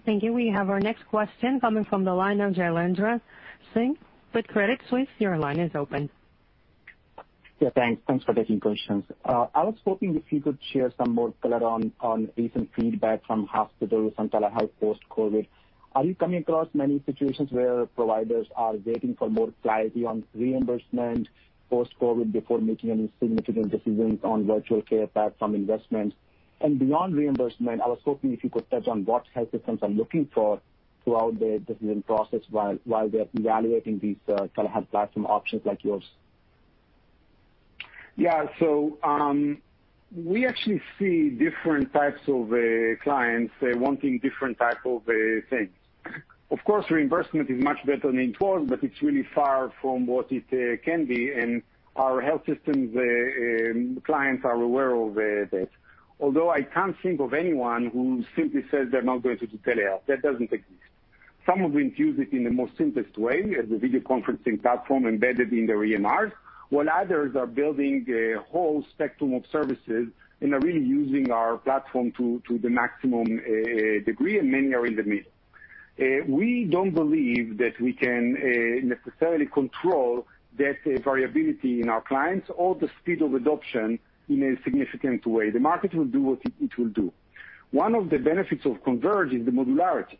Thank you. We have our next question coming from the line of Jailendra Singh with Credit Suisse. Your line is open. Yeah, thanks for taking questions. I was hoping if you could share some more color on recent feedback from hospitals on telehealth post-COVID. Are you coming across many situations where providers are waiting for more clarity on reimbursement post-COVID before making any significant decisions on virtual care path from investments? Beyond reimbursement, I was hoping if you could touch on what health systems are looking for throughout the decision process while they're evaluating these telehealth platform options like yours. Yeah. We actually see different types of clients wanting different type of things. Of course, reimbursement is much better than it was, but it's really far from what it can be, and our health systems clients are aware of that. Although I can't think of anyone who simply says they're not going to do telehealth. That doesn't exist. Some of them use it in the most simplest way, as a video conferencing platform embedded in their EMRs, while others are building a whole spectrum of services and are really using our platform to the maximum degree, and many are in the middle. We don't believe that we can necessarily control that variability in our clients or the speed of adoption in a significant way. The market will do what it will do. One of the benefits of Converge is the modularity.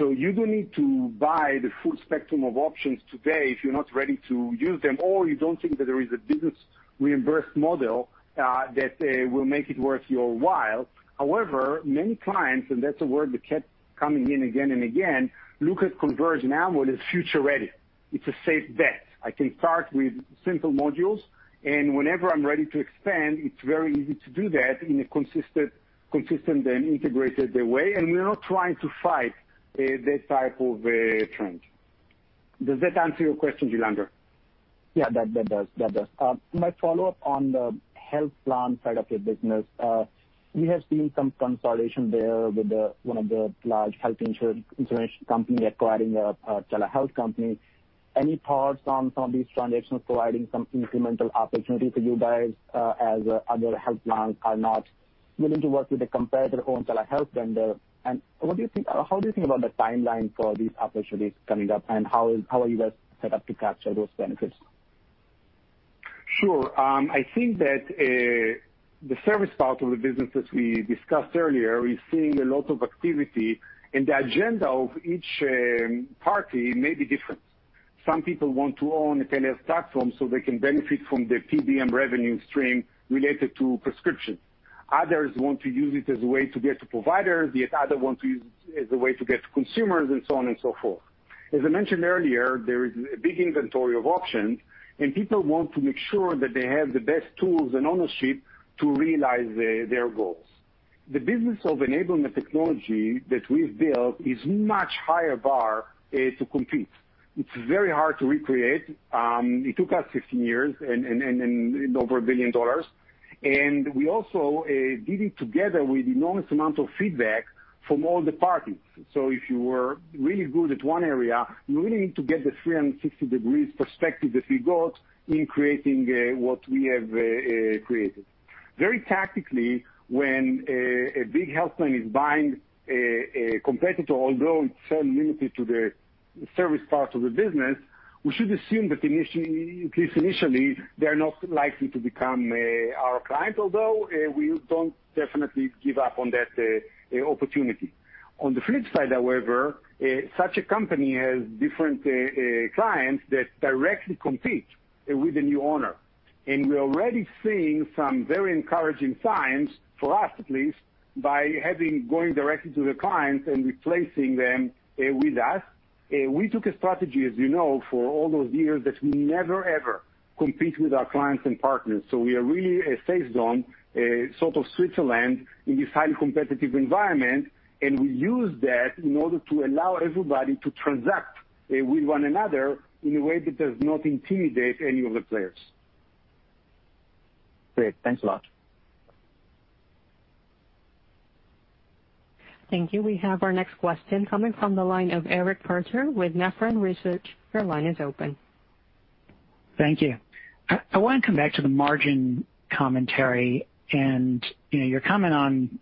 You don't need to buy the full spectrum of options today if you're not ready to use them, or you don't think that there is a business reimbursed model that will make it worth your while. However, many clients, and that's a word that kept coming in again and again, look at Converge now and what is future ready. It's a safe bet. I can start with simple modules, and whenever I'm ready to expand, it's very easy to do that in a consistent and integrated way, and we're not trying to fight that type of a trend. Does that answer your question, Jailendra? Yeah, that does. My follow-up on the health plan side of your business. We have seen some consolidation there with one of the large health insurance companies acquiring a telehealth company. Any thoughts on some of these transactions providing some incremental opportunity for you guys as other health plans are not willing to work with a competitor-owned telehealth vendor? How do you think about the timeline for these opportunities coming up, and how are you guys set up to capture those benefits? Sure. I think that the service part of the business, as we discussed earlier, is seeing a lot of activity, and the agenda of each party may be different. Some people want to own Amwell's platform so they can benefit from the PBM revenue stream related to prescriptions. Others want to use it as a way to get to providers, yet others want to use it as a way to get to consumers and so on and so forth. As I mentioned earlier, there is a big inventory of options, and people want to make sure that they have the best tools and ownership to realize their goals. The business of enabling the technology that we've built is much higher bar to compete. It's very hard to recreate. It took us 15 years and over $1 billion. We also did it together with enormous amount of feedback from all the parties. If you were really good at one area, you really need to get the 360 degrees perspective that we got in creating what we have created. Very tactically, when a big health plan is buying a competitor, although it's fairly limited to the service part of the business, we should assume that initially, they're not likely to become our client, although, we don't definitely give up on that opportunity. On the flip side, however, such a company has different clients that directly compete with the new owner. We're already seeing some very encouraging signs, for us at least, by going directly to the clients and replacing them with us. We took a strategy, as you know, for all those years, that we never, ever compete with our clients and partners. We are really a safe zone, sort of Switzerland in this highly competitive environment, and we use that in order to allow everybody to transact with one another in a way that does not intimidate any of the players. Great. Thanks a lot. Thank you. We have our next question coming from the line of Eric Percher with Nephron Research. Your line is open. Thank you. I want to come back to the margin commentary and your comment on,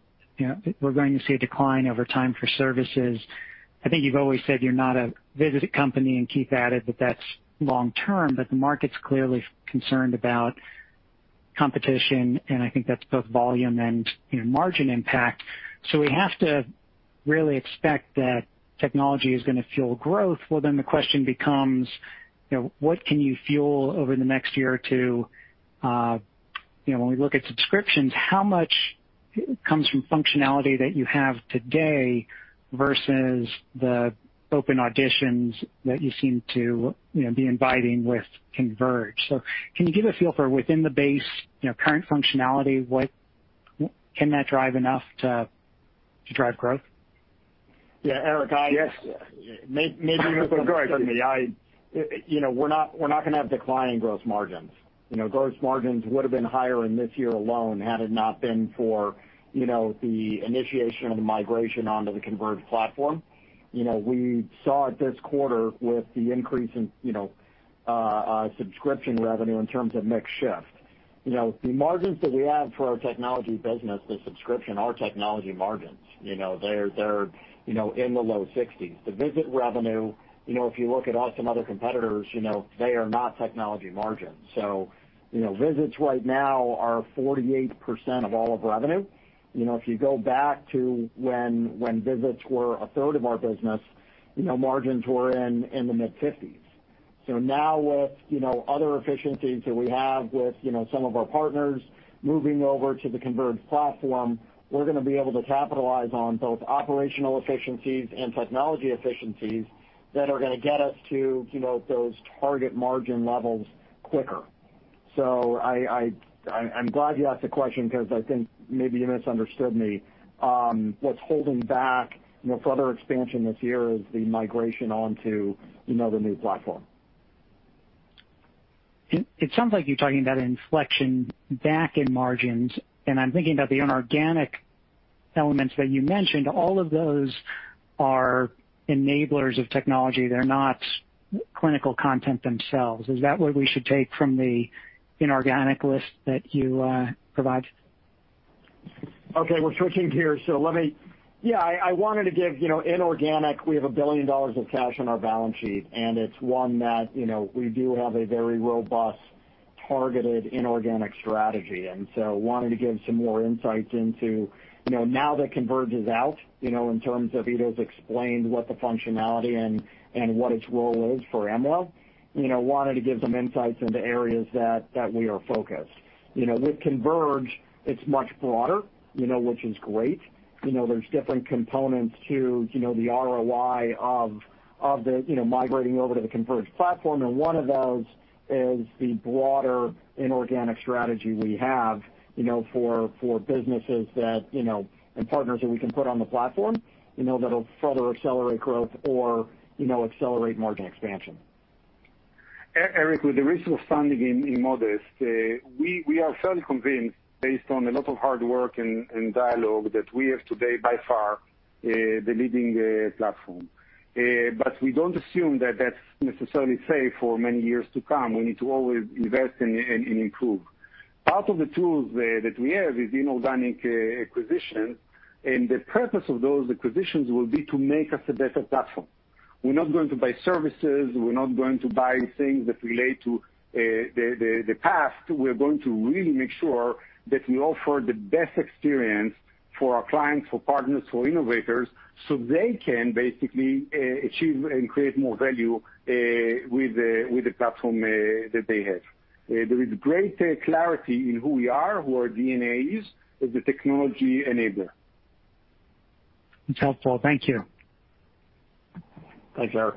we're going to see a decline over time for services. I think you've always said you're not a visit company, and Keith added that that's long-term, but the market's clearly concerned about competition, and I think that's both volume and margin impact. We have to really expect that technology is going to fuel growth. Well, then the question becomes, what can you fuel over the next year or two? When we look at subscriptions, how much comes from functionality that you have today versus the open auditions that you seem to be inviting with Converge? Can you give a feel for within the base, current functionality, can that drive enough to drive growth? Yeah, Eric, maybe you misunderstood me. We're not going to have declining gross margins. Gross margins would've been higher in this year alone had it not been for the initiation of the migration onto the Converge platform. We saw it this quarter with the increase in subscription revenue in terms of mix shift. The margins that we have for our technology business with subscription are technology margins. They're in the low 60s. The visit revenue, if you look at some other competitors, they are not technology margins. Visits right now are 48% of all of revenue. If you go back to when visits were a third of our business, margins were in the mid 50s. Now with other efficiencies that we have with some of our partners moving over to the Converge platform, we're going to be able to capitalize on both operational efficiencies and technology efficiencies that are going to get us to those target margin levels quicker. I'm glad you asked the question because I think maybe you misunderstood me. What's holding back further expansion this year is the migration onto the new platform. It sounds like you're talking about an inflection back in margins. I'm thinking about the inorganic elements that you mentioned. All of those are enablers of technology. They're not clinical content themselves. Is that what we should take from the inorganic list that you provided? Okay, we're switching gears. I wanted to give inorganic, we have $1 billion of cash on our balance sheet, it's one that we do have a very robust, targeted inorganic strategy. Wanted to give some more insights into, now that Converge is out, in terms of Ido's explained what the functionality and what its role is for Amwell, wanted to give some insights into areas that we are focused. With Converge, it's much broader, which is great. There's different components to the ROI of migrating over to the Converge platform, one of those is the broader inorganic strategy we have for businesses and partners that we can put on the platform, that'll further accelerate growth or accelerate margin expansion. Eric, with the recent funding in Modest, we are fairly convinced based on a lot of hard work and dialogue that we have today, by far, the leading platform. We don't assume that that's necessarily safe for many years to come. We need to always invest and improve. Part of the tools that we have is inorganic acquisitions, and the purpose of those acquisitions will be to make us a better platform. We're not going to buy services. We're not going to buy things that relate to the past. We're going to really make sure that we offer the best experience for our clients, for partners, for innovators, so they can basically achieve and create more value with the platform that they have. There is great clarity in who we are, who our DNA is, as a technology enabler. It's helpful. Thank you. Thanks, Eric.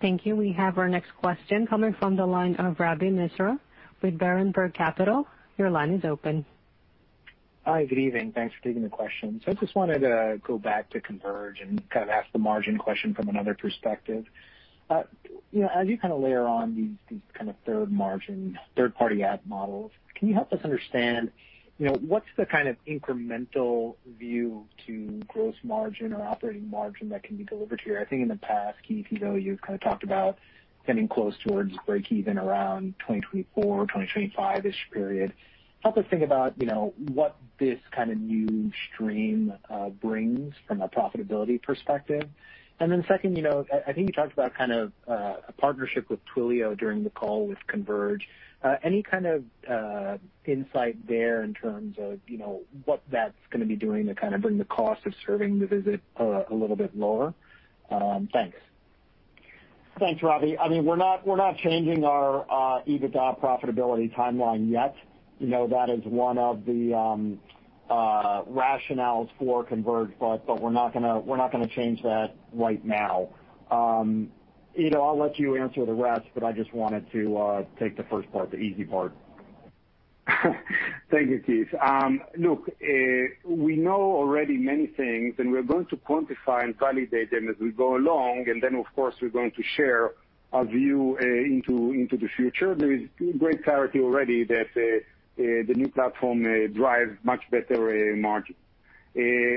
Thank you. We have our next question coming from the line of Ravi Misra with Berenberg Capital. Your line is open. Hi. Good evening. Thanks for taking the question. I just wanted to go back to Converge and ask the margin question from another perspective. As you layer on these third-party ad models, can you help us understand what's the incremental view to gross margin or operating margin that can be delivered here? I think in the past, Keith, you've talked about getting close towards breakeven around 2024, 2025 period. Help us think about what this new stream brings from a profitability perspective. Second, I think you talked about a partnership with Twilio during the call with Converge. Any insight there in terms of what that's going to be doing to bring the cost of serving the visit a little bit lower? Thanks. Thanks, Ravi. We're not changing our EBITDA profitability timeline yet. That is one of the rationales for Converge, but we're not going to change that right now. Ido, I'll let you answer the rest, but I just wanted to take the first part, the easy part. Thank you, Keith. Look, we know already many things, and we're going to quantify and validate them as we go along, and then, of course, we're going to share our view into the future. There is great clarity already that the new platform drives much better margin.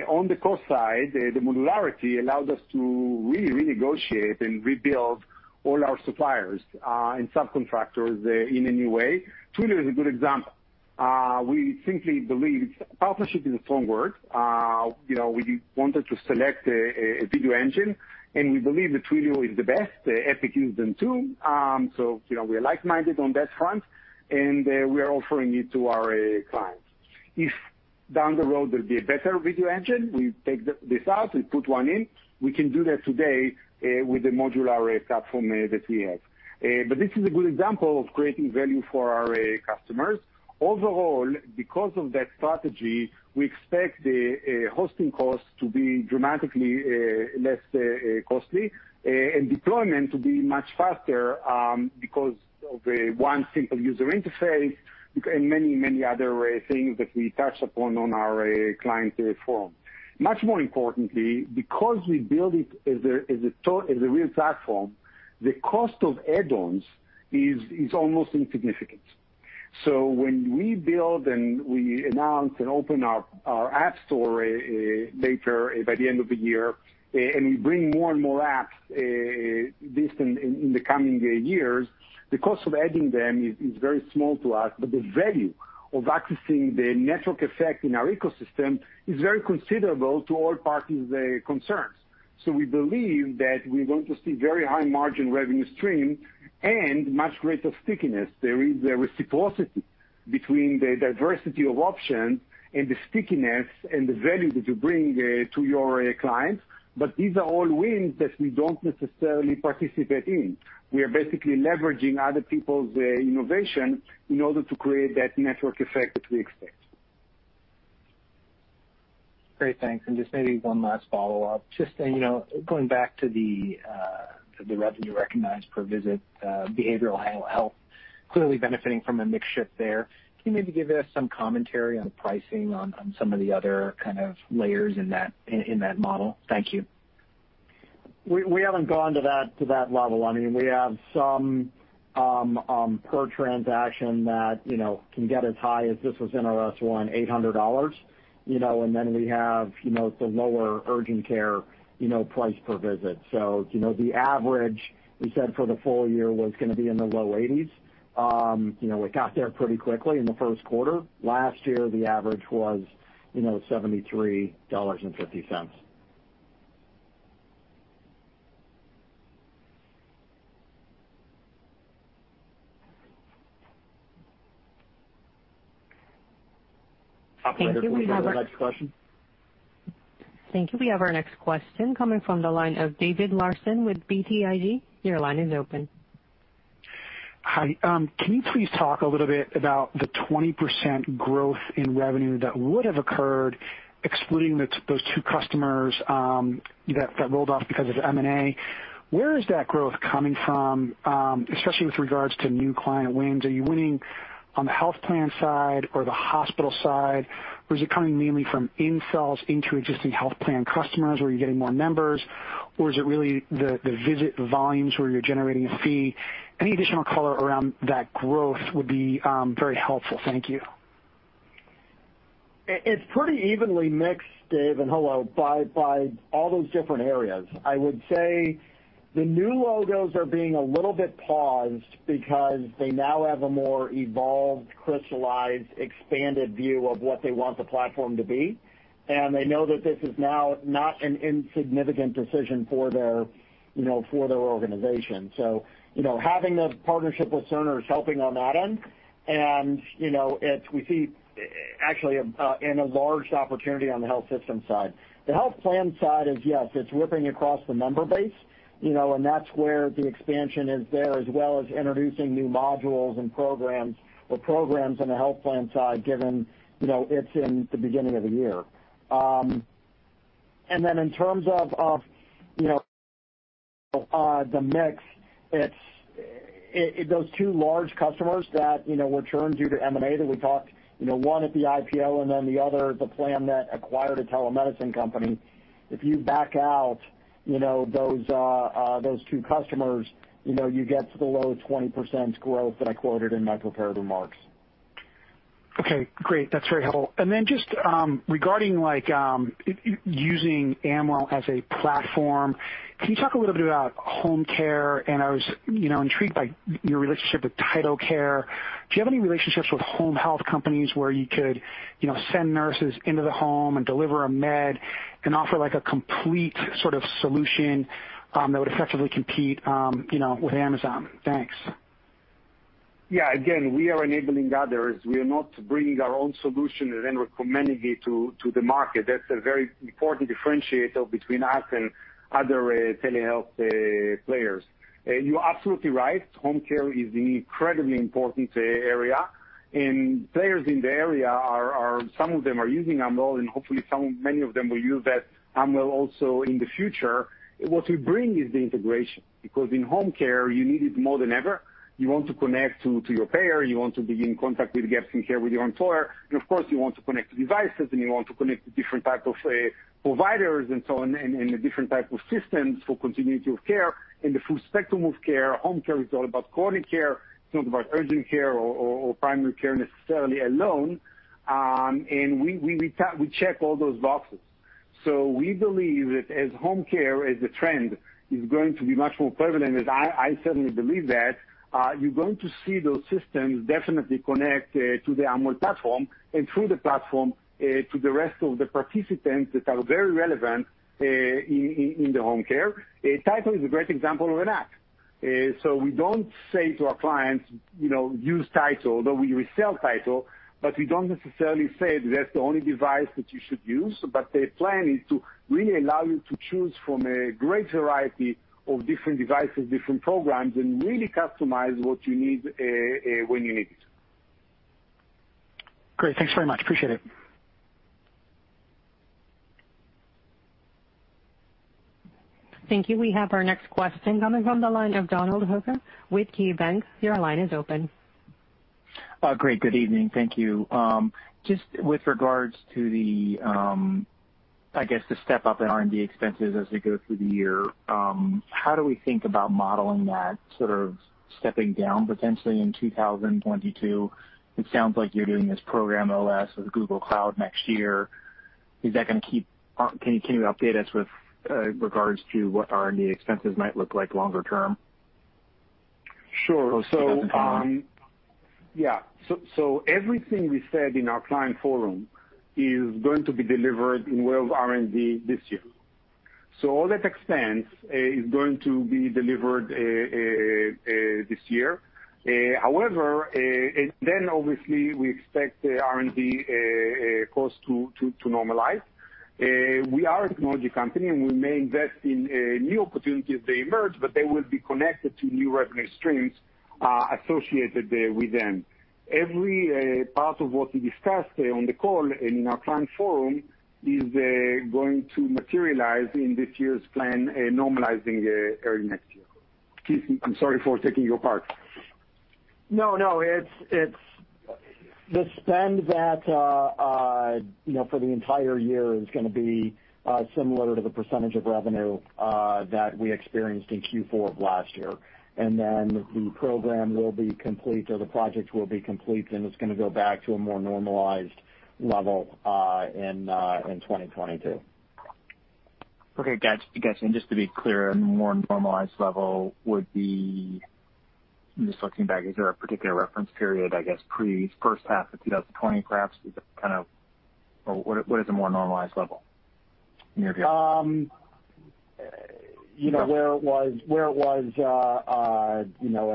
On the cost side, the modularity allows us to really renegotiate and rebuild all our suppliers and subcontractors in a new way. Twilio is a good example. Partnership is a strong word. We wanted to select a video engine, and we believe that Twilio is the best. Epic used them, too. We are like-minded on that front, and we are offering it to our clients. If down the road there'll be a better video engine, we take this out and put one in. We can do that today with the modular platform that we have. This is a good example of creating value for our customers. Overall, because of that strategy, we expect the hosting cost to be dramatically less costly and deployment to be much faster because of the one simple user interface and many other things that we touch upon on our client form. Much more importantly, because we build it as a real platform, the cost of add-ons is almost insignificant. When we build and we announce and open our app store later by the end of the year, and we bring more and more apps in the coming years, the cost of adding them is very small to us, but the value of accessing the network effect in our ecosystem is very considerable to all parties concerned. We believe that we're going to see very high margin revenue stream and much greater stickiness. There is a reciprocity between the diversity of options and the stickiness and the value that you bring to your clients, but these are all wins that we don't necessarily participate in. We are basically leveraging other people's innovation in order to create that network effect that we expect. Great. Thanks. Just maybe one last follow-up. Just going back to the revenue recognized per visit, behavioral health clearly benefiting from a mix shift there. Can you maybe give us some commentary on the pricing on some of the other layers in that model? Thank you. We haven't gone to that level. We have some per transaction that can get as high as, this was in S-1, $800. We have the lower urgent care price per visit. The average we said for the full-year was going to be in the low eighties. We got there pretty quickly in the first quarter. Last year, the average was $73.50. Thank you. Operator, can we go to the next question? Thank you. We have our next question coming from the line of David Larsen with BTIG. Your line is open. Hi. Can you please talk a little bit about the 20% growth in revenue that would have occurred excluding those two customers that rolled off because of M&A? Where is that growth coming from, especially with regards to new client wins? Are you winning on the health plan side or the hospital side, or is it coming mainly from in-sales into existing health plan customers? Are you getting more members, or is it really the visit volumes where you're generating a fee? Any additional color around that growth would be very helpful. Thank you. It's pretty evenly mixed, Dave, and hello, by all those different areas. I would say the new logos are being a little bit paused because they now have a more evolved, crystallized, expanded view of what they want the platform to be, and they know that this is now not an insignificant decision for their organization. Having the partnership with Cerner is helping on that end, and we see actually an enlarged opportunity on the health system side. The health plan side is, yes, it's ripping across the member base, and that's where the expansion is there, as well as introducing new modules and programs on the health plan side, given it's in the beginning of the year. The mix, those two large customers that were churned due to M&A that we talked, one at the IPO and then the other, the plan that acquired a telemedicine company. If you back out those two customers, you get to the low 20% growth that I quoted in my prepared remarks. Okay, great. That's very helpful. Just regarding using Amwell as a platform, can you talk a little bit about home care? I was intrigued by your relationship with TytoCare. Do you have any relationships with home health companies where you could send nurses into the home and deliver a med and offer a complete sort of solution that would effectively compete with Amazon? Thanks. Yeah. Again, we are enabling others. We are not bringing our own solution and then recommending it to the market. That's a very important differentiator between us and other telehealth players. You are absolutely right, home care is an incredibly important area. Players in the area, some of them are using Amwell, and hopefully many of them will use Amwell also in the future. What we bring is the integration, because in home care, you need it more than ever. You want to connect to your payer. You want to be in contact with gaps in care with your employer. Of course, you want to connect to devices, and you want to connect to different types of providers and so on, and the different type of systems for continuity of care and the full spectrum of care. Home care is all about chronic care. It's not about urgent care or primary care necessarily alone. We check all those boxes. We believe that as home care, as a trend, is going to be much more prevalent, as I certainly believe that, you're going to see those systems definitely connect to the Amwell platform and through the platform to the rest of the participants that are very relevant in the home care. Tyto is a great example of an app. We don't say to our clients, "Use Tyto," though we sell Tyto, but we don't necessarily say that's the only device that you should use. The plan is to really allow you to choose from a great variety of different devices, different programs, and really customize what you need, when you need it. Great. Thanks very much. Appreciate it. Thank you. We have our next question coming from the line of Donald Hooker with KeyBanc. Your line is open. Great. Good evening. Thank you. Just with regards to the, I guess, the step-up in R&D expenses as we go through the year, how do we think about modeling that sort of stepping down potentially in 2022? It sounds like you're doing this Program OS with Google Cloud next year. Can you update us with regards to what R&D expenses might look like longer term? Sure. 2021. Everything we said in our client forum is going to be delivered in waves of R&D this year. All that expense is going to be delivered this year. Obviously we expect the R&D cost to normalize. We are a technology company. We may invest in new opportunities as they emerge, but they will be connected to new revenue streams associated with them. Every part of what we discussed on the call and in our client forum is going to materialize in this year's plan, normalizing early next year. Keith, I'm sorry for taking your part. No, it's the spend that for the entire year is going to be similar to the percentage of revenue that we experienced in Q4 of last year. The program will be complete or the project will be complete, then it's going to go back to a more normalized level in 2022. Okay, got you. Just to be clear, a more normalized level would be, I'm just looking back, is there a particular reference period, I guess, pre first half of 2020, perhaps? Is that kind of or what is a more normalized level in your view? Where it was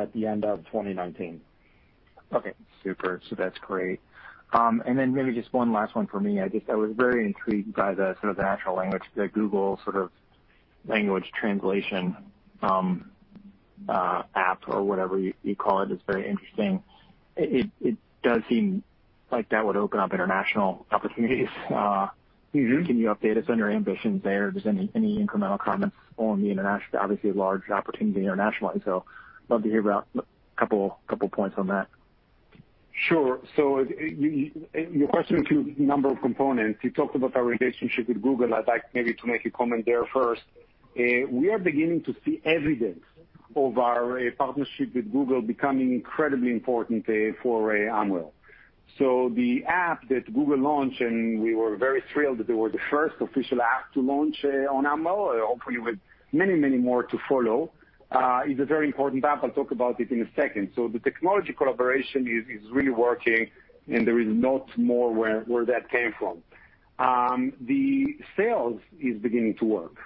at the end of 2019. Okay, super. That's great. Maybe just one last one for me. I was very intrigued by the sort of the actual language, the Google sort of language translation app or whatever you call it. It's very interesting. It does seem like that would open up international opportunities. Can you update us on your ambitions there? Just any incremental comments on the international, obviously a large opportunity internationally, love to hear a couple points on that. Sure. Your question has a number of components. You talked about our relationship with Google. I'd like maybe to make a comment there first. We are beginning to see evidence of our partnership with Google becoming incredibly important for Amwell. The app that Google launched, and we were very thrilled that they were the first official app to launch on Amwell, hopefully with many, many more to follow, is a very important app. I'll talk about it in a second. The technology collaboration is really working, and there is lots more where that came from. The sales is beginning to work.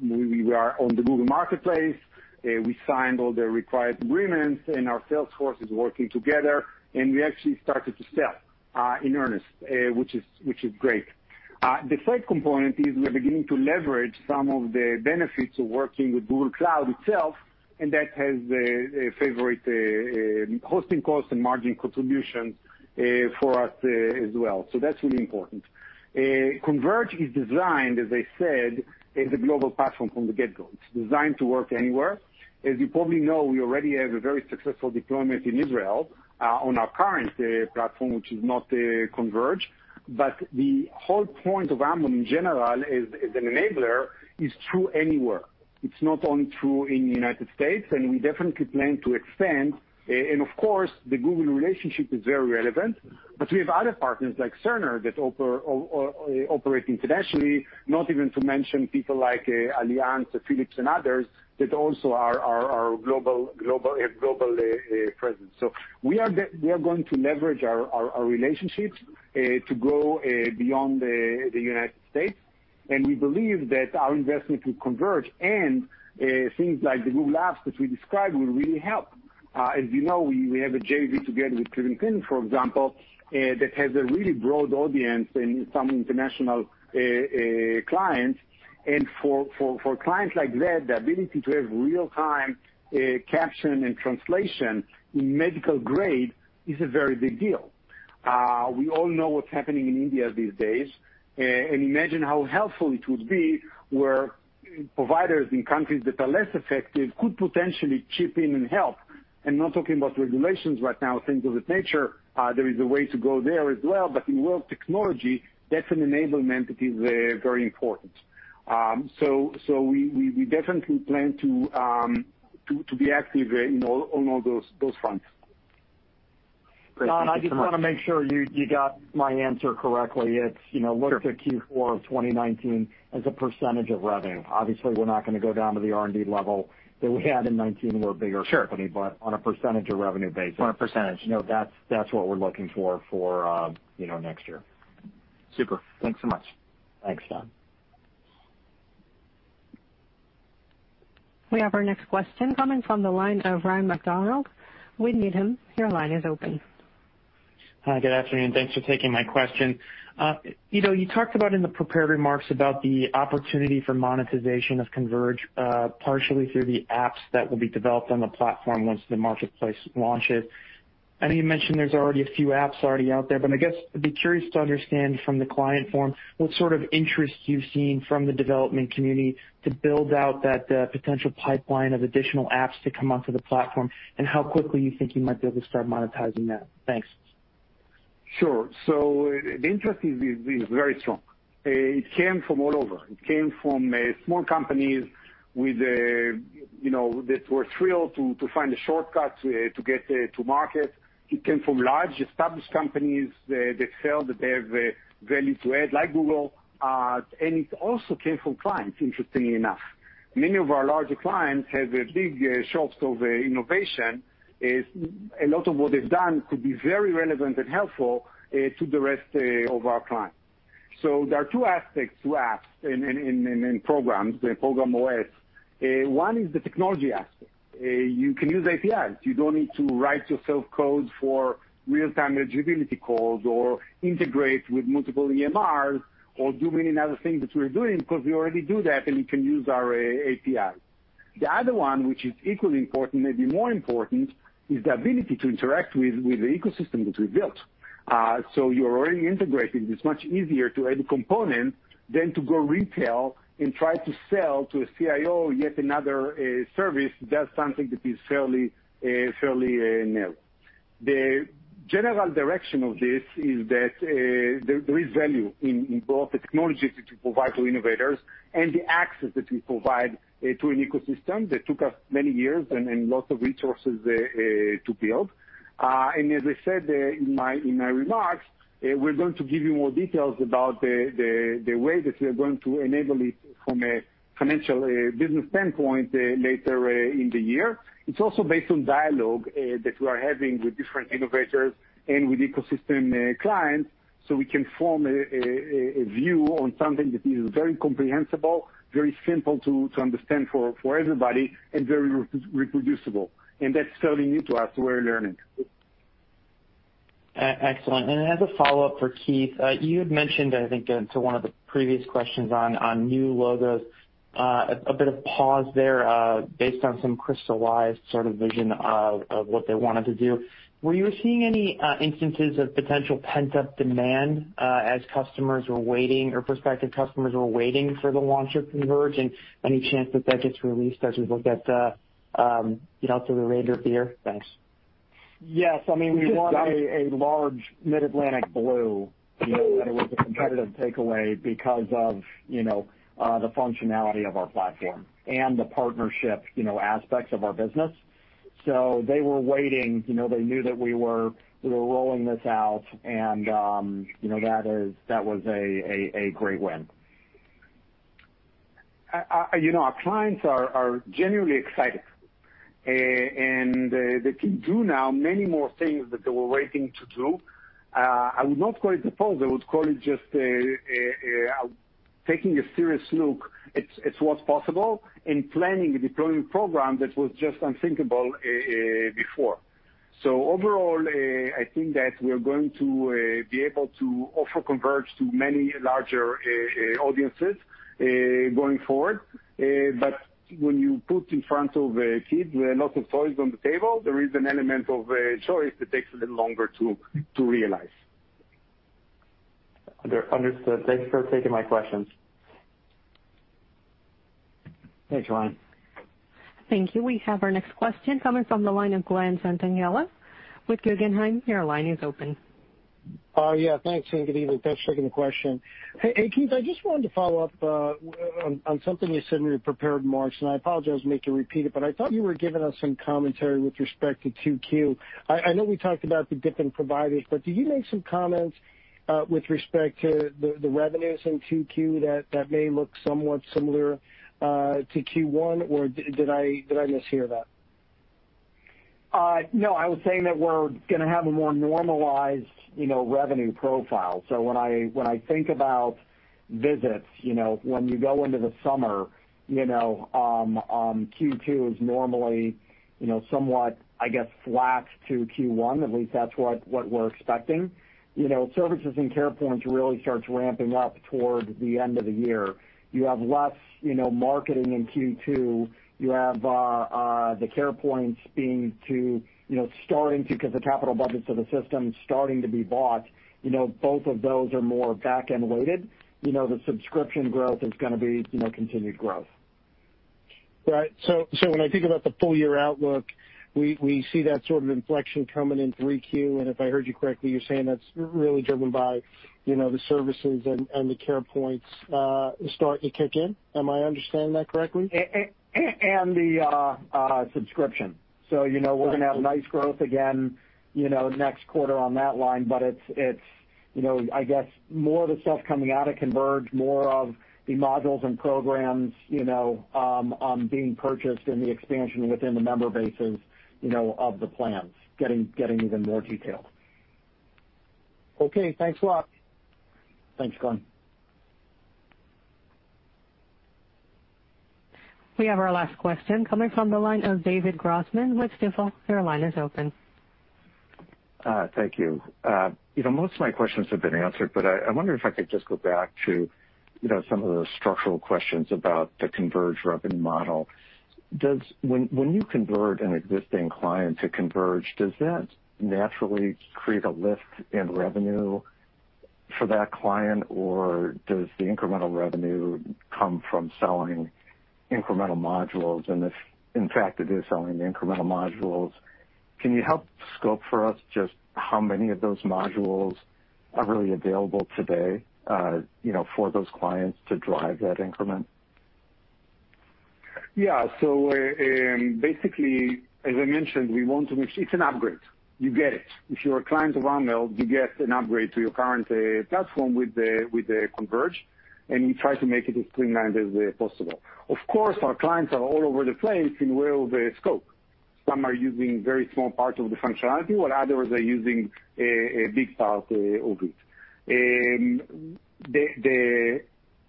We are on the Google Marketplace. We signed all the required agreements, and our sales force is working together, and we actually started to sell in earnest, which is great. The third component is we're beginning to leverage some of the benefits of working with Google Cloud itself, that has a favorable hosting cost and margin contribution for us as well. That's really important. Converge is designed, as I said, as a global platform from the get-go. It's designed to work anywhere. As you probably know, we already have a very successful deployment in Israel on our current platform, which is not Converge. The whole point of Amwell, in general, as an enabler, is true anywhere. It's not only true in the United States, we definitely plan to expand. Of course, the Google relationship is very relevant, we have other partners like Cerner that operate internationally, not even to mention people like Allianz or Philips and others that also are global presence. We are going to leverage our relationships to grow beyond the United States. We believe that our investment will Converge, and things like the Google apps, which we described, will really help. As you know, we have a JV together with Cleveland Clinic, for example, that has a really broad audience and some international clients. For clients like that, the ability to have real-time caption and translation in medical-grade is a very big deal. We all know what's happening in India these days. Imagine how helpful it would be where providers in countries that are less effective could potentially chip in and help. I'm not talking about regulations right now, things of that nature. There is a way to go there as well. In world technology, that's an enablement that is very important. We definitely plan to be active on all those fronts. Don, I just want to make sure you got my answer correctly. Sure look to Q4 of 2019 as a percentage of revenue. Obviously, we're not going to go down to the R&D level that we had in 2019 when we were a bigger company. Sure, on a percentage of revenue basis, that's what we're looking for next year. Super. Thanks so much. Thanks, Don. We have our next question coming from the line of Ryan MacDonald with Needham. Your line is open. Hi, good afternoon. Thanks for taking my question. You talked about in the prepared remarks about the opportunity for monetization of Converge, partially through the apps that will be developed on the platform once the marketplace launches. I know you mentioned there's already a few apps already out there. I guess I'd be curious to understand from the client forum what sort of interest you've seen from the development community to build out that potential pipeline of additional apps to come onto the platform, and how quickly you think you might be able to start monetizing that. Thanks. Sure. The interest is very strong. It came from all over. It came from small companies that were thrilled to find a shortcut to get to market. It came from large established companies that felt that they have value to add, like Google. It also came from clients, interestingly enough. Many of our larger clients have big shops of innovation. A lot of what they've done could be very relevant and helpful to the rest of our clients. There are two aspects to apps and programs, the Program OS. One is the technology aspect. You can use APIs. You don't need to write yourself code for real-time eligibility calls or integrate with multiple EMRs or do many other things that we're doing because we already do that, and you can use our APIs. The other one, which is equally important, maybe more important, is the ability to interact with the ecosystem that we built. You're already integrated. It's much easier to add a component than to go retail and try to sell to a CIO yet another service that is something that is fairly narrow. The general direction of this is that there is value in both the technology that you provide to innovators and the access that you provide to an ecosystem that took us many years and lots of resources to build. As I said in my remarks, we're going to give you more details about the way that we are going to enable it from a financial business standpoint later in the year. It's also based on dialogue that we are having with different innovators and with ecosystem clients so we can form a view on something that is very comprehensible, very simple to understand for everybody, and very reproducible. That's fairly new to us. We're learning. As a follow-up for Keith, you had mentioned, I think, to one of the previous questions on new logos, a bit of pause there based on some crystallized sort of vision of what they wanted to do. Were you seeing any instances of potential pent-up demand as customers were waiting, or prospective customers were waiting for the launch of Converge? Any chance that that gets released as we look at through the remainder of the year? Thanks. Yes. We won a large Mid-Atlantic Blue, that it was a competitive takeaway because of the functionality of our platform and the partnership aspects of our business. They were waiting. They knew that we were rolling this out, and that was a great win. Our clients are genuinely excited, they can do now many more things that they were waiting to do. I would not call it a pause. I would call it just a taking a serious look at what's possible and planning a deployment program that was just unthinkable before. Overall, I think that we are going to be able to offer Converge to many larger audiences going forward. When you put in front of a kid lots of toys on the table, there is an element of choice that takes a little longer to realize. Understood. Thanks for taking my questions. Thanks, Ryan. Thank you. We have our next question coming from the line of Glen Santangelo with Guggenheim. Your line is open. Yeah, thanks, and good evening. Thanks for taking the question. Hey, Keith, I just wanted to follow up on something you said in your prepared remarks, and I apologize to make you repeat it, but I thought you were giving us some commentary with respect to 2Q. I know we talked about the different providers, but did you make some comments with respect to the revenues in 2Q that may look somewhat similar to Q1, or did I mishear that? I was saying that we're going to have a more normalized revenue profile. When I think about visits, when you go into the summer, Q2 is normally somewhat, I guess, flat to Q1, at least that's what we're expecting. Services and CarePoint really starts ramping up toward the end of the year. You have less marketing in Q2. You have the CarePoint, because the capital budgets of the system, starting to be bought. Both of those are more back-end loaded. The subscription growth is going to be continued growth. Right. When I think about the full-year outlook, we see that sort of inflection coming in 3Q, and if I heard you correctly, you're saying that's really driven by the services and the CarePoints starting to kick in. Am I understanding that correctly? The subscription. Right We're going to have nice growth again next quarter on that line, but it's, I guess, more of the stuff coming out of Converge, more of the modules and programs being purchased and the expansion within the member bases of the plans, getting even more detailed. Okay. Thanks a lot. Thanks, Glen. We have our last question coming from the line of David Grossman with Stifel. Your line is open. Thank you. Most of my questions have been answered, but I wonder if I could just go back to some of the structural questions about the Converge revenue model. When you convert an existing client to Converge, does that naturally create a lift in revenue for that client, or does the incremental revenue come from selling incremental modules? If, in fact, it is selling the incremental modules, can you help scope for us just how many of those modules are really available today for those clients to drive that increment? Basically, as I mentioned, it's an upgrade. You get it. If you're a client of Amwell, you get an upgrade to your current platform with the Converge. We try to make it as streamlined as possible. Of course, our clients are all over the place in where they scope. Some are using very small parts of the functionality, while others are using a big part of it. The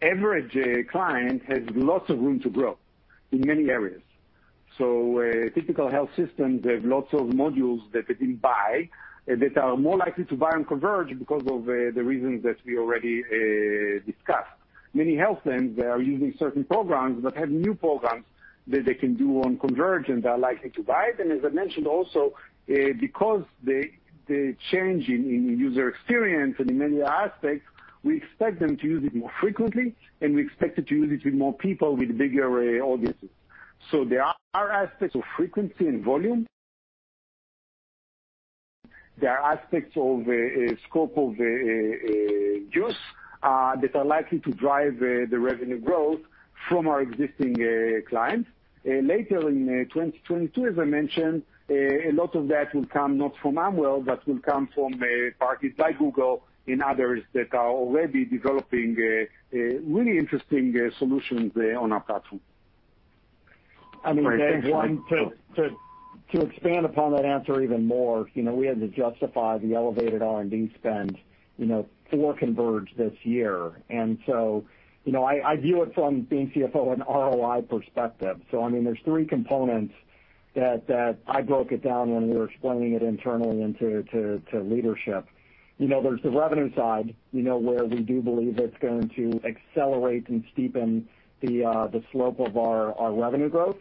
average client has lots of room to grow in many areas. Typical health systems have lots of modules that they didn't buy that are more likely to buy on Converge because of the reasons that we already discussed. Many health plans, they are using certain programs but have new programs that they can do on Converge. They are likely to buy them. As I mentioned also, because the change in user experience and in many aspects, we expect them to use it more frequently, and we expect it to use it with more people, with bigger audiences. There are aspects of frequency and volume. There are aspects of scope of use that are likely to drive the revenue growth from our existing clients. Later in 2022, as I mentioned, a lot of that will come not from Amwell, but will come from parties like Google and others that are already developing really interesting solutions on our platform. Great. Thanks, Ido Schoenberg. To expand upon that answer even more, we had to justify the elevated R&D spend for Converge this year. I view it from being CFO and ROI perspective. There's three components that I broke it down when we were explaining it internally to leadership. There's the revenue side, where we do believe it's going to accelerate and steepen the slope of our revenue growth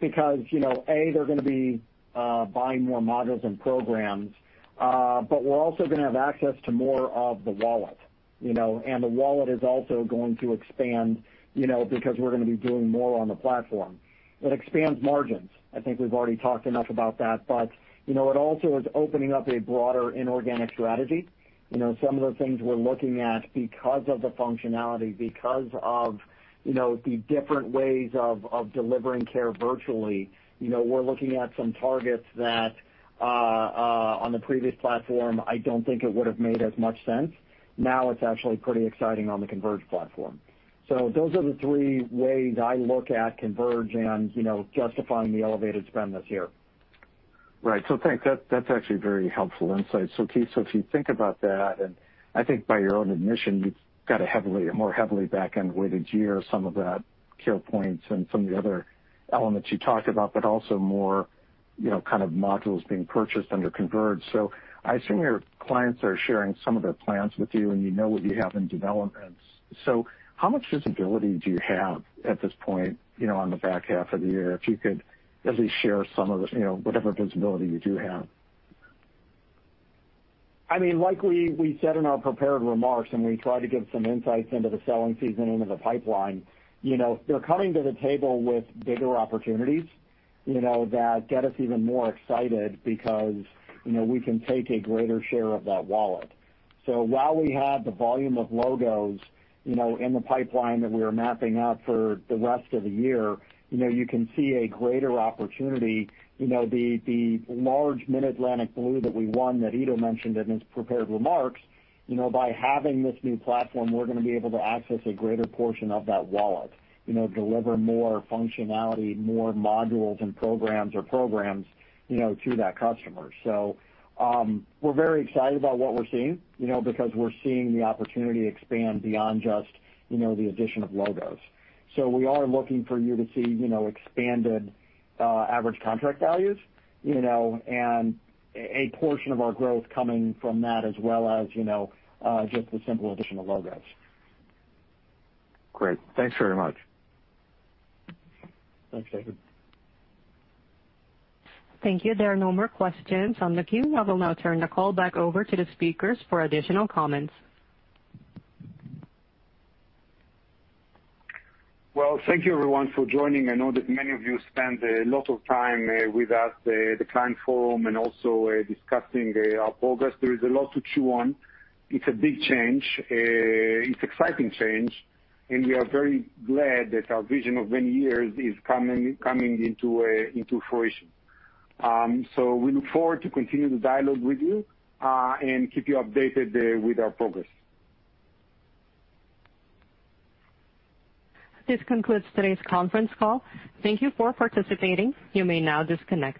because, A, they're going to be buying more modules and programs, but we're also going to have access to more of the wallet. The wallet is also going to expand because we're going to be doing more on the platform. It expands margins. I think we've already talked enough about that, but it also is opening up a broader inorganic strategy. Some of the things we're looking at because of the functionality, because of the different ways of delivering care virtually, we're looking at some targets that on the previous platform, I don't think it would've made as much sense. Now it's actually pretty exciting on the Converge platform. Those are the three ways I look at Converge and justifying the elevated spend this year. Right. Thanks. That's actually very helpful insight. Keith, if you think about that, and I think by your own admission, you've got a more heavily back-end weighted year, some of that CarePoint and some of the other elements you talked about, but also more kind of modules being purchased under Converge. I assume your clients are sharing some of their plans with you, and you know what you have in development. How much visibility do you have at this point on the back half of the year? If you could at least share whatever visibility you do have. Like we said in our prepared remarks, we tried to give some insights into the selling season, into the pipeline. They're coming to the table with bigger opportunities that get us even more excited because we can take a greater share of that wallet. While we have the volume of logos in the pipeline that we are mapping out for the rest of the year, you can see a greater opportunity. The large Mid-Atlantic Blue that we won, that Ido mentioned in his prepared remarks. By having this new platform, we're going to be able to access a greater portion of that wallet, deliver more functionality, more modules and programs to that customer. We're very excited about what we're seeing because we're seeing the opportunity expand beyond just the addition of logos. We are looking for you to see expanded average contract values, and a portion of our growth coming from that as well as just the simple addition of logos. Great. Thanks very much. Thanks, David. Thank you. There are no more questions on the queue. I will now turn the call back over to the speakers for additional comments. Well, thank you, everyone, for joining. I know that many of you spent a lot of time with us, the client forum, and also discussing our progress. There is a lot to chew on. It's a big change. It's exciting change, and we are very glad that our vision of many years is coming into fruition. We look forward to continue the dialogue with you, and keep you updated with our progress. This concludes today's conference call. Thank you for participating. You may now disconnect.